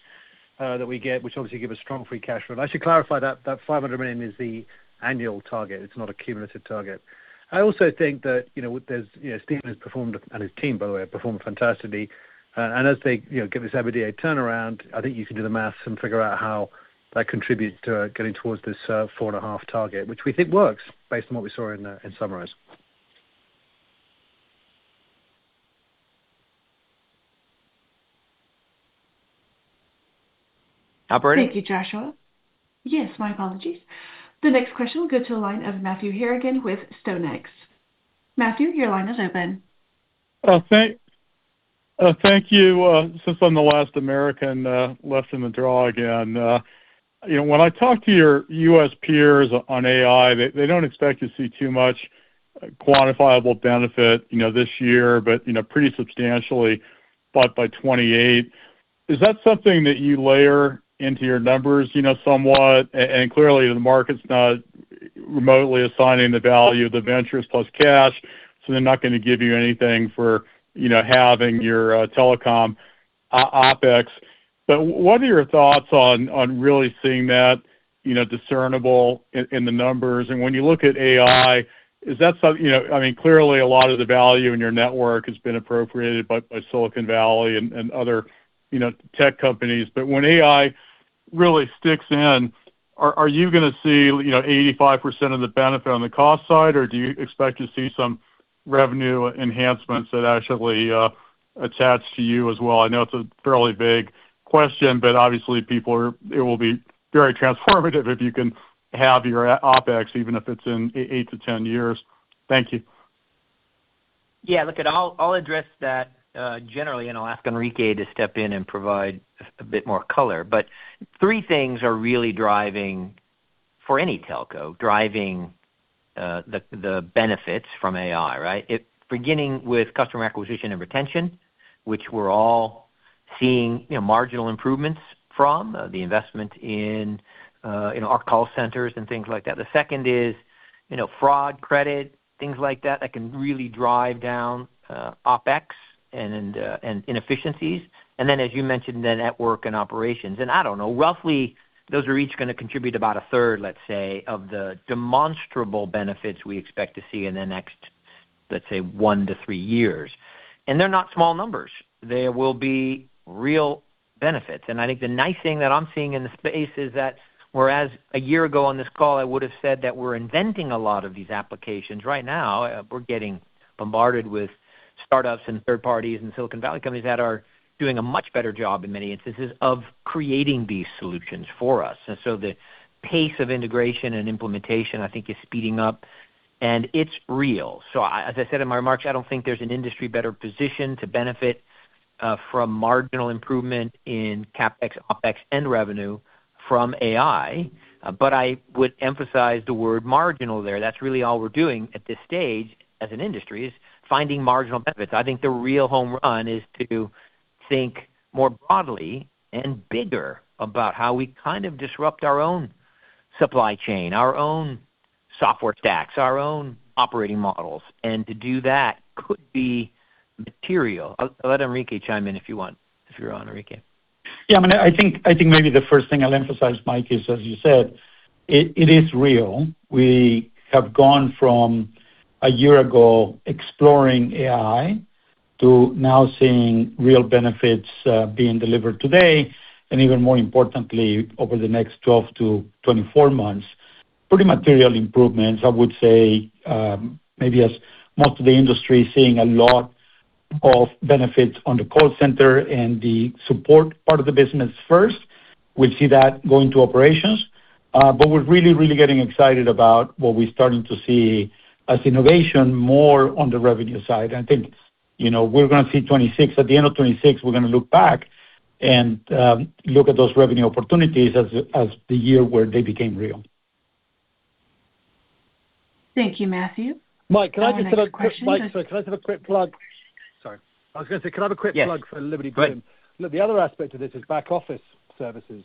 that we get, which obviously give us strong free cash flow. I should clarify that that 500 million is the annual target. It's not a cumulative target. I also think that, you know, there's, you know, Stephen has performed, and his team, by the way, have performed fantastically. And as they, you know, give this EBITDA turnaround, I think you can do the math and figure out how that contributes to getting towards this 4.5 billion target, which we think works based on what we saw in Sunrise. Operator? Thank you, Joshua. Yes, my apologies. The next question will go to the line of Matthew Harrigan with StoneX. Matthew, your line is open. Thank you, since I'm the last American left in the draw again, you know, when I talk to your U.S. peers on AI, they don't expect to see too much quantifiable benefit, you know, this year, but, you know, pretty substantially-... but by 28. Is that something that you layer into your numbers, you know, somewhat? And clearly, the market's not remotely assigning the value of the ventures plus cash, so they're not gonna give you anything for, you know, having your telecom OpEx. But what are your thoughts on really seeing that, you know, discernible in the numbers? And when you look at AI, is that something you know, I mean, clearly a lot of the value in your network has been appropriated by Silicon Valley and other, you know, tech companies. But when AI really sticks in, are you gonna see, you know, 85% of the benefit on the cost side, or do you expect to see some revenue enhancements that actually attach to you as well? I know it's a fairly big question, but obviously, it will be very transformative if you can have your OpEx, even if it's in eight to 10 years. Thank you. Yeah, look, and I'll address that generally, and I'll ask Enrique to step in and provide a bit more color. But three things are really driving, for any telco, the benefits from AI, right? Beginning with customer acquisition and retention, which we're all seeing, you know, marginal improvements from the investment in, you know, our call centers and things like that. The second is, you know, fraud, credit, things like that, that can really drive down OpEx and inefficiencies. And then, as you mentioned, the network and operations. And I don't know, roughly, those are each gonna contribute about a third, let's say, of the demonstrable benefits we expect to see in the next, let's say, one to three years. And they're not small numbers. They will be real benefits. And I think the nice thing that I'm seeing in the space is that, whereas a year ago on this call, I would have said that we're inventing a lot of these applications, right now, we're getting bombarded with startups and third parties and Silicon Valley companies that are doing a much better job, in many instances, of creating these solutions for us. And so the pace of integration and implementation, I think, is speeding up, and it's real. So I... As I said in my remarks, I don't think there's an industry better positioned to benefit from marginal improvement in CapEx, OpEx and revenue from AI. But I would emphasize the word marginal there. That's really all we're doing at this stage, as an industry, is finding marginal benefits. I think the real home run is to think more broadly and bigger about how we kind of disrupt our own supply chain, our own software stacks, our own operating models, and to do that could be material. I'll, I'll let Enrique chime in if you want, if you're on, Enrique. Yeah, I mean, I think, I think maybe the first thing I'll emphasize, Mike, is, as you said, it, it is real. We have gone from a year ago, exploring AI, to now seeing real benefits, being delivered today, and even more importantly, over the next 12-24 months. Pretty material improvements, I would say, maybe as most of the industry is seeing a lot of benefits on the call center and the support part of the business first. We see that going to operations, but we're really, really getting excited about what we're starting to see as innovation more on the revenue side. I think, you know, we're gonna see 2026. At the end of 2026, we're gonna look back and, look at those revenue opportunities as the, as the year where they became real. Thank you, Matthew. Mike, can I just have a quick- Next question. Mike, sorry, can I just have a quick plug? Sorry. I was gonna say, can I have a quick plug- Yes. for Liberty Bloom? Go ahead. Look, the other aspect of this is back office services,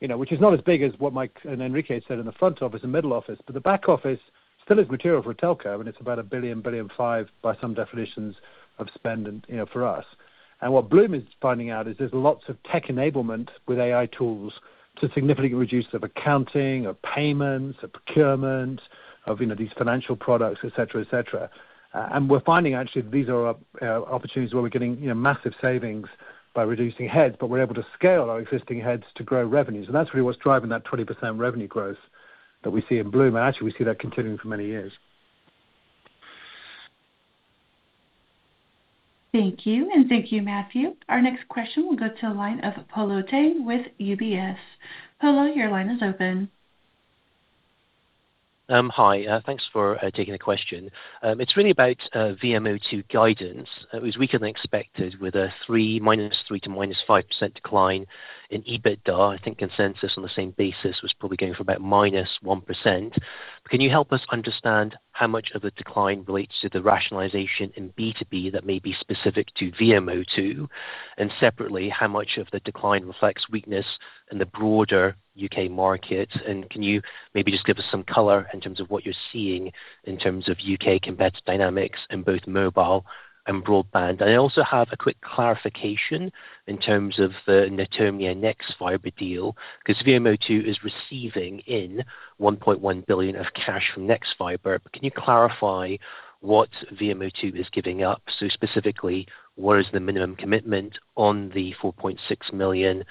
you know, which is not as big as what Mike and Enrique said in the front office and middle office, but the back office still is material for Telco, and it's about $1 billion-$1.5 billion, by some definitions of spend and, you know, for us. And what Bloom is finding out is there's lots of tech enablement with AI tools to significantly reduce the accounting, of payments, of procurement, of, you know, these financial products, et cetera, et cetera. And we're finding actually that these are opportunities where we're getting, you know, massive savings by reducing heads, but we're able to scale our existing heads to grow revenues. And that's really what's driving that 20% revenue growth that we see in Bloom. And actually, we see that continuing for many years. Thank you, and thank you, Matthew. Our next question will go to the line of Polo Tang with UBS. Paulo, your line is open. Hi. Thanks for taking the question. It's really about VMO2 guidance. It was weaker than expected, with a -3%-5% decline in EBITDA. I think consensus on the same basis was probably going for about -1%. Can you help us understand how much of a decline relates to the rationalization in B2B that may be specific to VMO2? And separately, how much of the decline reflects weakness in the broader UK market? And can you maybe just give us some color in terms of what you're seeing in terms of UK competitive dynamics in both mobile and broadband? I also have a quick clarification in terms of the Netomnia Nexfibre deal, because VMO2 is receiving 1.1 billion in cash from Nexfibre. But can you clarify what VMO2 is giving up? So specifically, what is the minimum commitment on the 4.6 million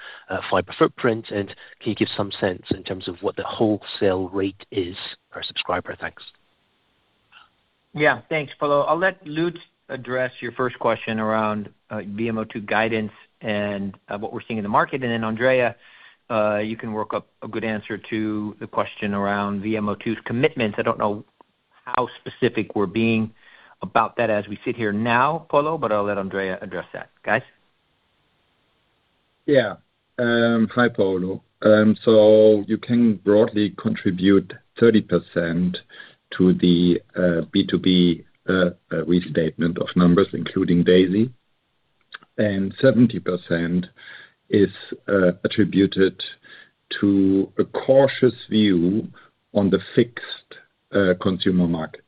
fiber footprint, and can you give some sense in terms of what the wholesale rate is per subscriber? Thanks. Yeah. Thanks, Polo. I'll let Lutz address your first question around VMO2 guidance and what we're seeing in the market. And then, Andrea, you can work up a good answer to the question around VMO2's commitments. I don't know how specific we're being about that as we sit here now, Paulo, but I'll let Andrea address that. Guys? Yeah. Hi, Polo. So you can broadly contribute 30% to the B2B restatement of numbers, including Daisy, and 70% is attributed to a cautious view on the fixed consumer market.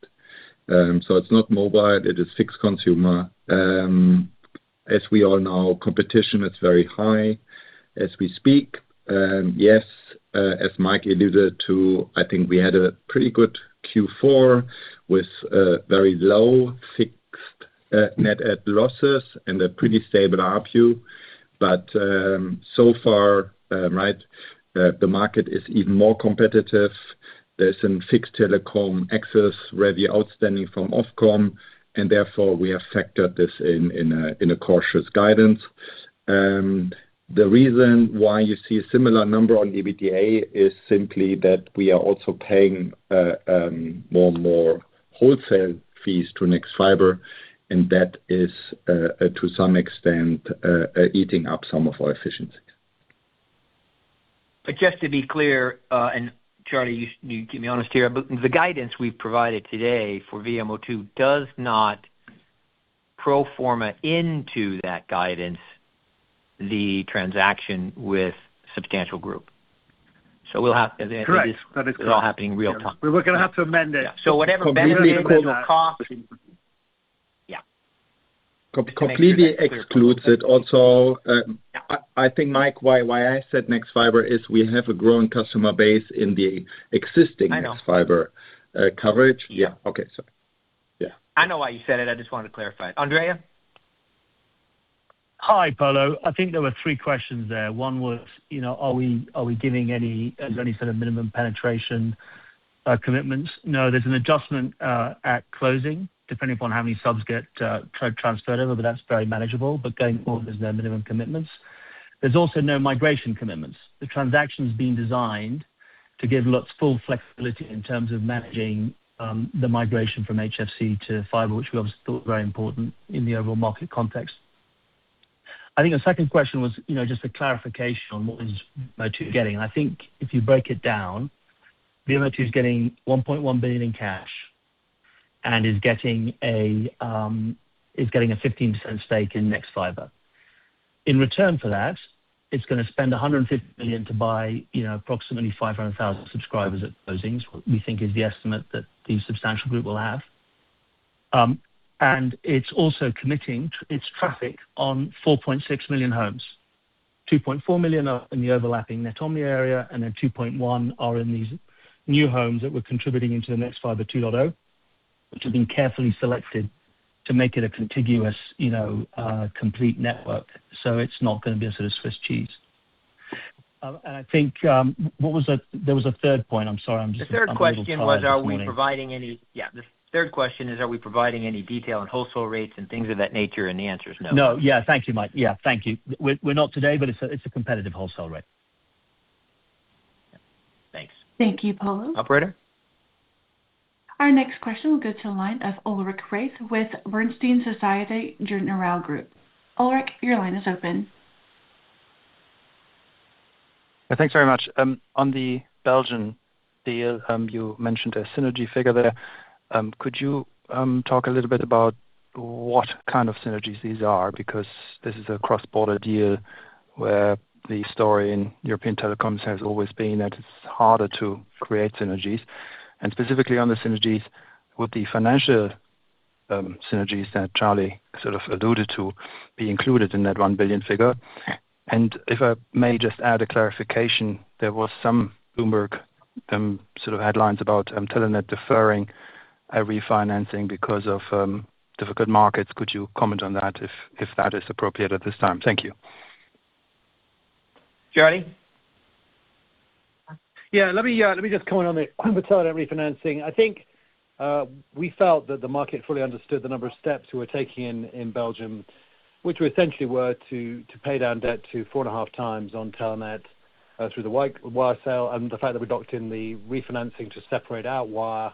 So it's not mobile, it is fixed consumer. As we all know, competition is very high as we speak. Yes, as Mike alluded to, I think we had a pretty good Q4 with very low fixed net ad losses and a pretty stable ARPU. But so far, right, the market is even more competitive. There's some fixed telecom access where the outstanding from Ofcom, and therefore, we have factored this in, in a cautious guidance. The reason why you see a similar number on EBITDA is simply that we are also paying more and more wholesale fees to Nexfibre, and that is to some extent eating up some of our efficiencies. But just to be clear, and Charlie, you, you keep me honest here, but the guidance we've provided today for VMO2 does not pro forma into that guidance, the transaction with Substantial Group. So we'll have- Correct. It's all happening in real time. We're gonna have to amend it. So whatever amendment cost. Yeah. Completely excludes it also. Yeah. I think, Mike, why I said Nexfibre is we have a growing customer base in the existing- I know. Nexfibre coverage. Yeah. Okay. Sorry. Yeah. I know why you said it. I just wanted to clarify it. Andrea? Hi, Paulo. I think there were three questions there. One was, you know, are we, are we giving any, any sort of minimum penetration commitments? No, there's an adjustment at closing, depending upon how many subs get transferred over, but that's very manageable. But going forward, there's no minimum commitments. There's also no migration commitments. The transaction's being designed to give lots full flexibility in terms of managing the migration from HFC to fiber, which we obviously thought very important in the overall market context. I think the second question was, you know, just a clarification on what is VMO2 getting. I think if you break it down, VMO2 is getting 1.1 billion in cash and is getting a, is getting a 15% stake in Nexfibre. In return for that, it's gonna spend $150 million to buy, you know, approximately 500,000 subscribers at closing, we think is the estimate that the Substantial Group will have. And it's also committing its traffic on 4.6 million homes. 2.4 million are in the overlapping Netomnia area, and then 2.1 are in these new homes that we're contributing into the Nexfibre JV, which have been carefully selected to make it a contiguous, you know, complete network. So it's not gonna be a sort of Swiss cheese. And I think, what was the... There was a third point. I'm sorry, I'm just- The third question is, are we providing any detail on wholesale rates and things of that nature? And the answer is no. No. Yeah, thank you, Mike. Yeah, thank you. We're not today, but it's a competitive wholesale rate. Thanks. Thank you, Paulo. Operator? Our next question will go to the line of Ulrich Rathe with Bernstein Société Générale Group. Ulrich, your line is open. Thanks very much. On the Belgian deal, you mentioned a synergy figure there. Could you talk a little bit about what kind of synergies these are? Because this is a cross-border deal, where the story in European telecoms has always been that it's harder to create synergies. Specifically on the synergies, would the financial synergies that Charlie sort of alluded to be included in that 1 billion figure? If I may just add a clarification, there was some Bloomberg sort of headlines about Telenet deferring a refinancing because of difficult markets. Could you comment on that if that is appropriate at this time? Thank you. Charlie? Yeah, let me let me just comment on the Telenet refinancing. I think we felt that the market fully understood the number of steps we were taking in Belgium, which were essentially to pay down debt to 4.5 times on Telenet through the Wyre Wyre sale, and the fact that we locked in the refinancing to separate out Wyre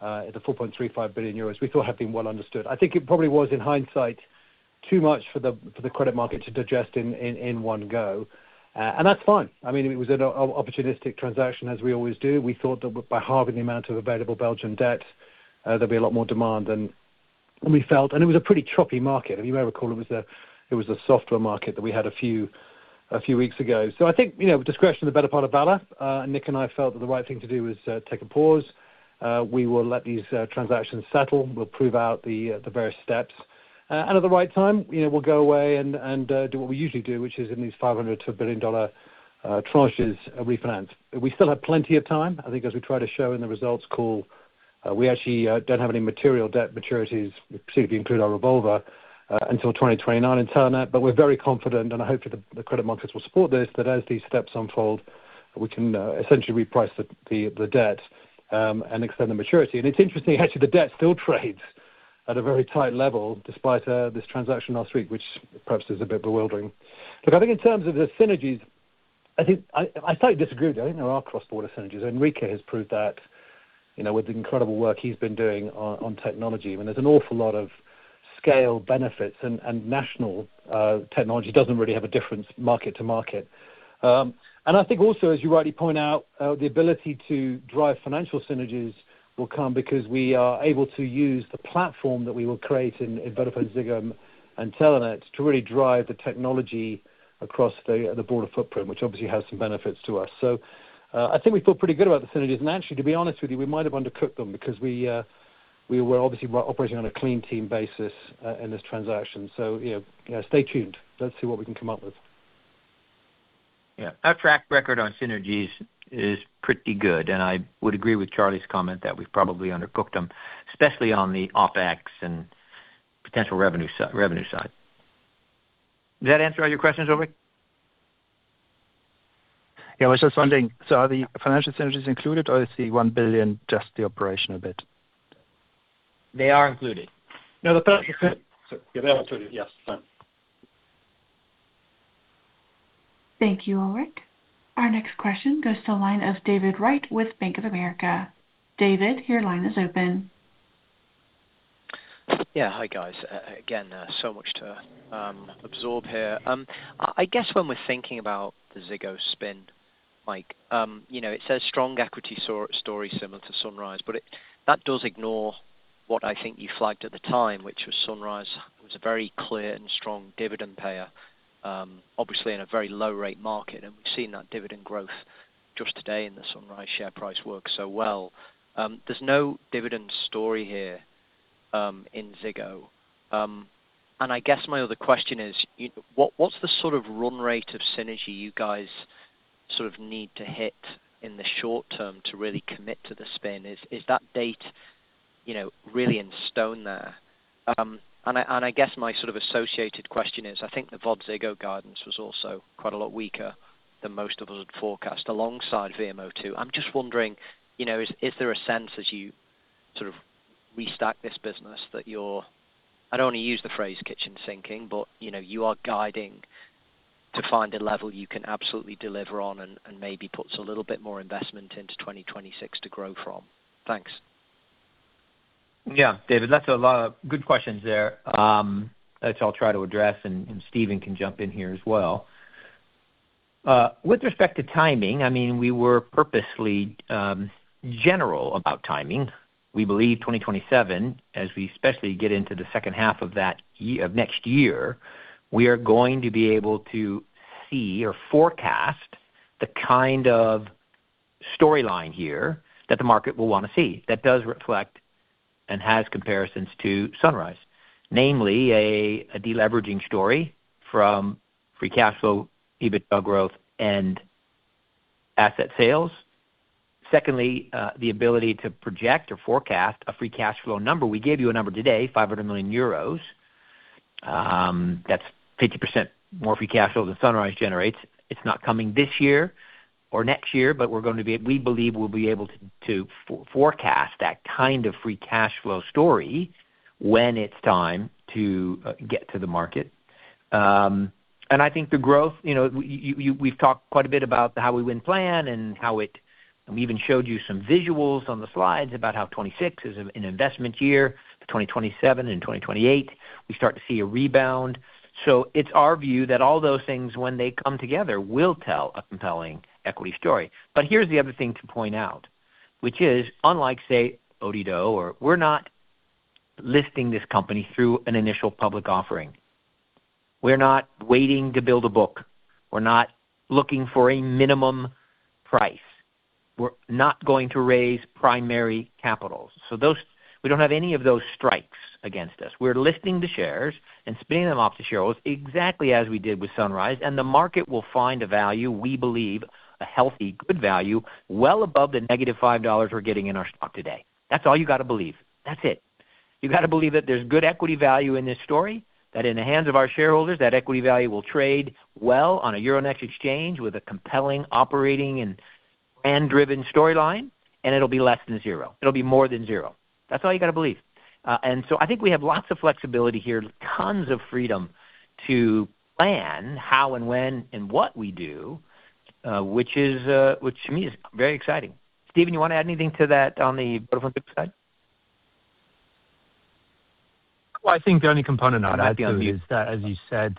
at 4.35 billion euros, we thought had been well understood. I think it probably was, in hindsight, too much for the credit market to digest in one go. And that's fine. I mean, it was an opportunistic transaction, as we always do. We thought that by halving the amount of available Belgian debt, there'd be a lot more demand than we felt. And it was a pretty choppy market. If you may recall, it was a softer market that we had a few weeks ago. So I think, you know, discretion, the better part of valor. Nick and I felt that the right thing to do was take a pause. We will let these transactions settle. We'll prove out the various steps. And at the right time, you know, we'll go away and do what we usually do, which is in these $500 million-$1 billion tranches refinance. We still have plenty of time. I think, as we try to show in the results call, we actually don't have any material debt maturities, particularly including our revolver, until 2029 in Telenet. But we're very confident, and hopefully, the credit markets will support this, that as these steps unfold, we can essentially reprice the debt and extend the maturity. And it's interesting, actually, the debt still trades at a very tight level despite this transaction last week, which perhaps is a bit bewildering. Look, I think in terms of the synergies-... I think I slightly disagree with you. I think there are cross-border synergies. Enrique has proved that, you know, with the incredible work he's been doing on technology, when there's an awful lot of scale benefits and national technology doesn't really have a different market to market. And I think also, as you rightly point out, the ability to drive financial synergies will come because we are able to use the platform that we will create in VodafoneZiggo and Telenet to really drive the technology across the border footprint, which obviously has some benefits to us. So, I think we feel pretty good about the synergies. And actually, to be honest with you, we might have undercooked them because we were obviously operating on a clean team basis in this transaction. So, you know, stay tuned. Let's see what we can come up with. Yeah. Our track record on synergies is pretty good, and I would agree with Charlie's comment that we've probably undercooked them, especially on the OpEx and potential revenue side. Does that answer all your questions, Ulrich? Yeah, I was just wondering, so are the financial synergies included, or is the $1 billion just the operational bit? They are included. No, the financial fit. Yeah, they are included. Yes, fine. Thank you, Ulrich. Our next question goes to the line of David Wright with Bank of America. David, your line is open. Yeah. Hi, guys. Again, so much to absorb here. I guess when we're thinking about the Ziggo spin, Mike, you know, it says strong equity story similar to Sunrise, but that does ignore what I think you flagged at the time, which was Sunrise was a very clear and strong dividend payer, obviously, in a very low rate market, and we've seen that dividend growth just today in the Sunrise share price work so well. There's no dividend story here in Ziggo. And I guess my other question is: what, what's the sort of run rate of synergy you guys sort of need to hit in the short term to really commit to the spin? Is that date, you know, really in stone there? I guess my sort of associated question is, I think the VodafoneZiggo guidance was also quite a lot weaker than most of us had forecast, alongside Virgin Media O2. I'm just wondering, you know, is there a sense as you sort of restack this business that you're... I'd only use the phrase kitchen sinking, but, you know, you are guiding to find a level you can absolutely deliver on and maybe puts a little bit more investment into 2026 to grow from. Thanks. Yeah, David, that's a lot of good questions there. Which I'll try to address, and, and Stephen can jump in here as well. With respect to timing, I mean, we were purposely general about timing. We believe 2027, as we especially get into the second half of that year of next year, we are going to be able to see or forecast the kind of storyline here that the market will wanna see. That does reflect and has comparisons to Sunrise, namely a deleveraging story from free cash flow, EBITDA growth, and asset sales. Secondly, the ability to project or forecast a free cash flow number. We gave you a number today, 500 million euros. That's 50% more free cash flow than Sunrise generates. It's not coming this year or next year, but we're going to be—we believe we'll be able to forecast that kind of free cash flow story when it's time to get to the market. And I think the growth, you know, you, we've talked quite a bit about how we win plan and how it... We even showed you some visuals on the slides about how 2026 is an investment year, but 2027 and 2028, we start to see a rebound. So it's our view that all those things, when they come together, will tell a compelling equity story. But here's the other thing to point out, which is, unlike, say, Odido or—we're not listing this company through an initial public offering. We're not waiting to build a book. We're not looking for a minimum price. We're not going to raise primary capitals. So those, we don't have any of those strikes against us. We're listing the shares and spinning them off to shareholders exactly as we did with Sunrise, and the market will find a value, we believe, a healthy, good value, well above the negative $5 we're getting in our stock today. That's all you gotta believe. That's it. You gotta believe that there's good equity value in this story, that in the hands of our shareholders, that equity value will trade well on a Euronext exchange with a compelling operating and driven storyline, and it'll be less than zero. It'll be more than zero. That's all you gotta believe. And so I think we have lots of flexibility here, tons of freedom to plan how and when and what we do, which to me is very exciting. Stephen, you wanna add anything to that on the VodafoneZiggo side? Well, I think the only component I'd add to it is that, as you said...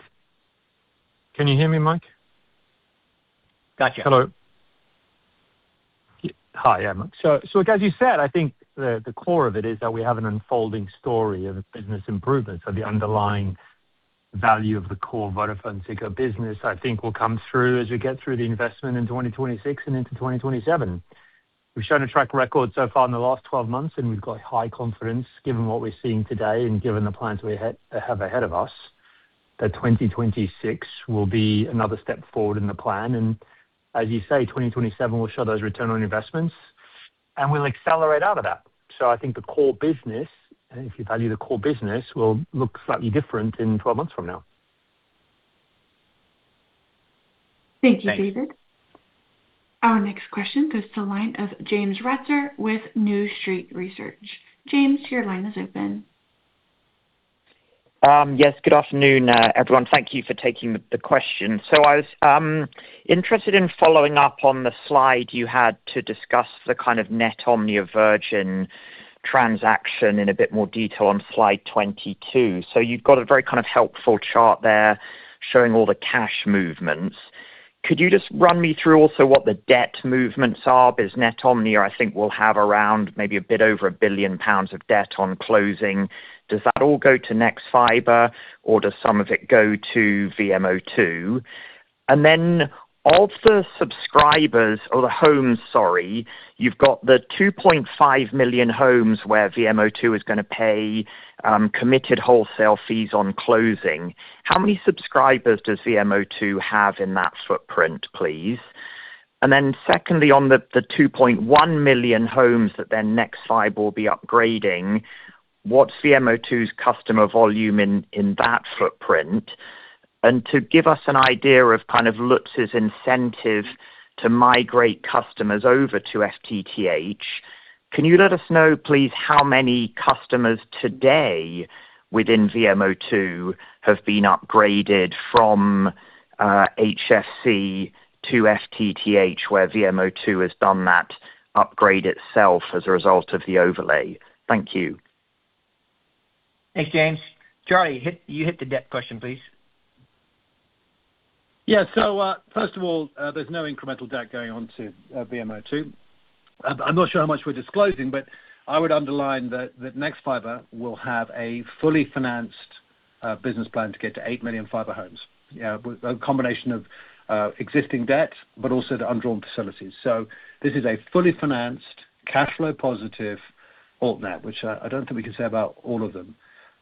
Can you hear me, Mike? Gotcha. Hello. Hi, yeah, Mike. So, as you said, I think the core of it is that we have an unfolding story of business improvements, so the underlying value of the core VodafoneZiggo business, I think, will come through as we get through the investment in 2026 and into 2027. We've shown a track record so far in the last 12 months, and we've got high confidence, given what we're seeing today and given the plans we have ahead of us, that 2026 will be another step forward in the plan. And as you say, 2027 will show those return on investments, and we'll accelerate out of that. So I think the core business, and if you value the core business, will look slightly different in 12 months from now. Thank you, David. Thanks. Our next question goes to the line of James Ratzer with New Street Research. James, your line is open. Yes, good afternoon, everyone. Thank you for taking the question. So I was interested in following up on the slide you had to discuss the kind of Netomnia Virgin transaction in a bit more detail on Slide 22. So you've got a very kind of helpful chart there showing all the cash movements. Could you just run me through also what the debt movements are? Because Netomnia, I think, will have around maybe a bit over 1 billion pounds of debt on closing. Does that all go to Nexfibre, or does some of it go to VMO2? And then of the subscribers or the homes, sorry, you've got the 2.5 million homes where VMO2 is gonna pay committed wholesale fees on closing. How many subscribers does VMO2 have in that footprint, please? And then secondly, on the two point one million homes that then Nexfibre will be upgrading, what's VMO2's customer volume in that footprint? And to give us an idea of kind of Lutz's incentive to migrate customers over to FTTH, can you let us know, please, how many customers today within VMO2 have been upgraded from HFC to FTTH, where VMO2 has done that upgrade itself as a result of the overlay? Thank you. Thanks, James. Charlie, you hit the debt question, please. Yeah. So, first of all, there's no incremental debt going on to, VMO2. I'm not sure how much we're disclosing, but I would underline that, that Nexfibre will have a fully financed, business plan to get to 8 million fiber homes, with a combination of, existing debt, but also the undrawn facilities. So this is a fully financed, cash flow positive alt net, which I, I don't think we can say about all of them.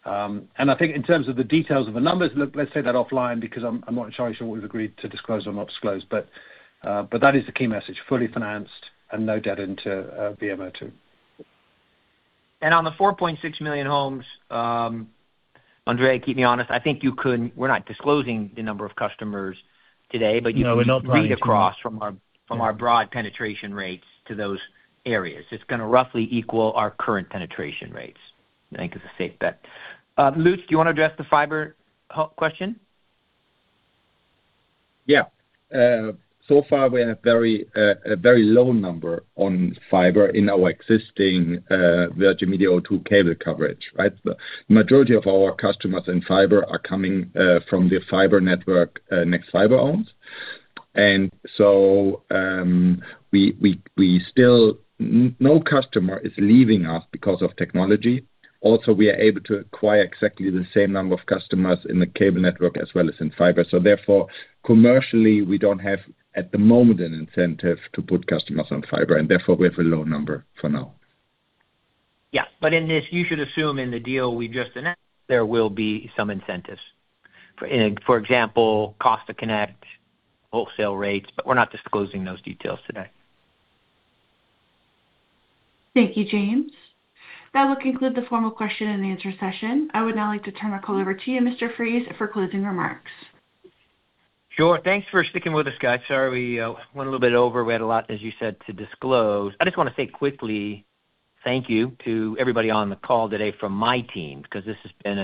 And I think in terms of the details of the numbers, look, let's take that offline because I'm, I'm not entirely sure what we've agreed to disclose or not disclose. But, but that is the key message, fully financed and no debt into, VMO2. On the 4.6 million homes, André, keep me honest, I think you could... We're not disclosing the number of customers today, but- you know, we're not naming them. You can read across from our broad penetration rates to those areas. It's gonna roughly equal our current penetration rates. I think it's a safe bet. Lutz, do you wanna address the fiber question? Yeah. So far, we're in a very low number on fiber in our existing Virgin Media O2 cable coverage, right? The majority of our customers in fiber are coming from the fiber network Nexfibre owns. And so, we still—no customer is leaving us because of technology. Also, we are able to acquire exactly the same number of customers in the cable network as well as in fiber. So therefore, commercially, we don't have, at the moment, an incentive to put customers on fiber, and therefore, we have a low number for now. Yeah, but in this, you should assume in the deal we just announced, there will be some incentives. For example, cost to connect, wholesale rates, but we're not disclosing those details today. Thank you, James. That will conclude the formal question and answer session. I would now like to turn our call over to you, Mr. Fries, for closing remarks. Sure. Thanks for sticking with us, guys. Sorry, we went a little bit over. We had a lot, as you said, to disclose. I just wanna say quickly thank you to everybody on the call today from my team, because this has been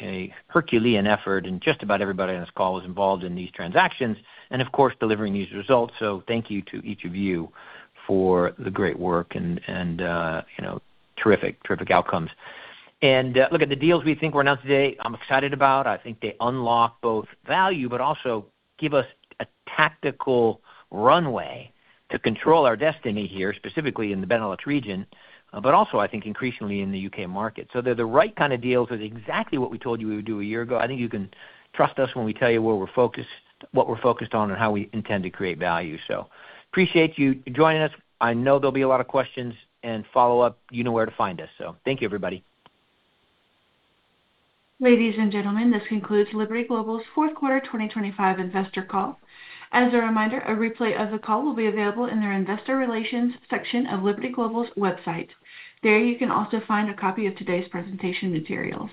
a Herculean effort, and just about everybody on this call is involved in these transactions and, of course, delivering these results. So thank you to each of you for the great work and, you know, terrific, terrific outcomes. And look, at the deals we think we're announced today, I'm excited about. I think they unlock both value, but also give us a tactical runway to control our destiny here, specifically in the Benelux region, but also, I think, increasingly in the U.K. market. So they're the right kind of deals with exactly what we told you we would do a year ago. I think you can trust us when we tell you where we're focused, what we're focused on, and how we intend to create value. So appreciate you joining us. I know there'll be a lot of questions and follow-up. You know where to find us, so thank you, everybody. Ladies and gentlemen, this concludes Liberty Global's fourth quarter 2025 investor call. As a reminder, a replay of the call will be available in our investor relations section of Liberty Global's website. There, you can also find a copy of today's presentation materials.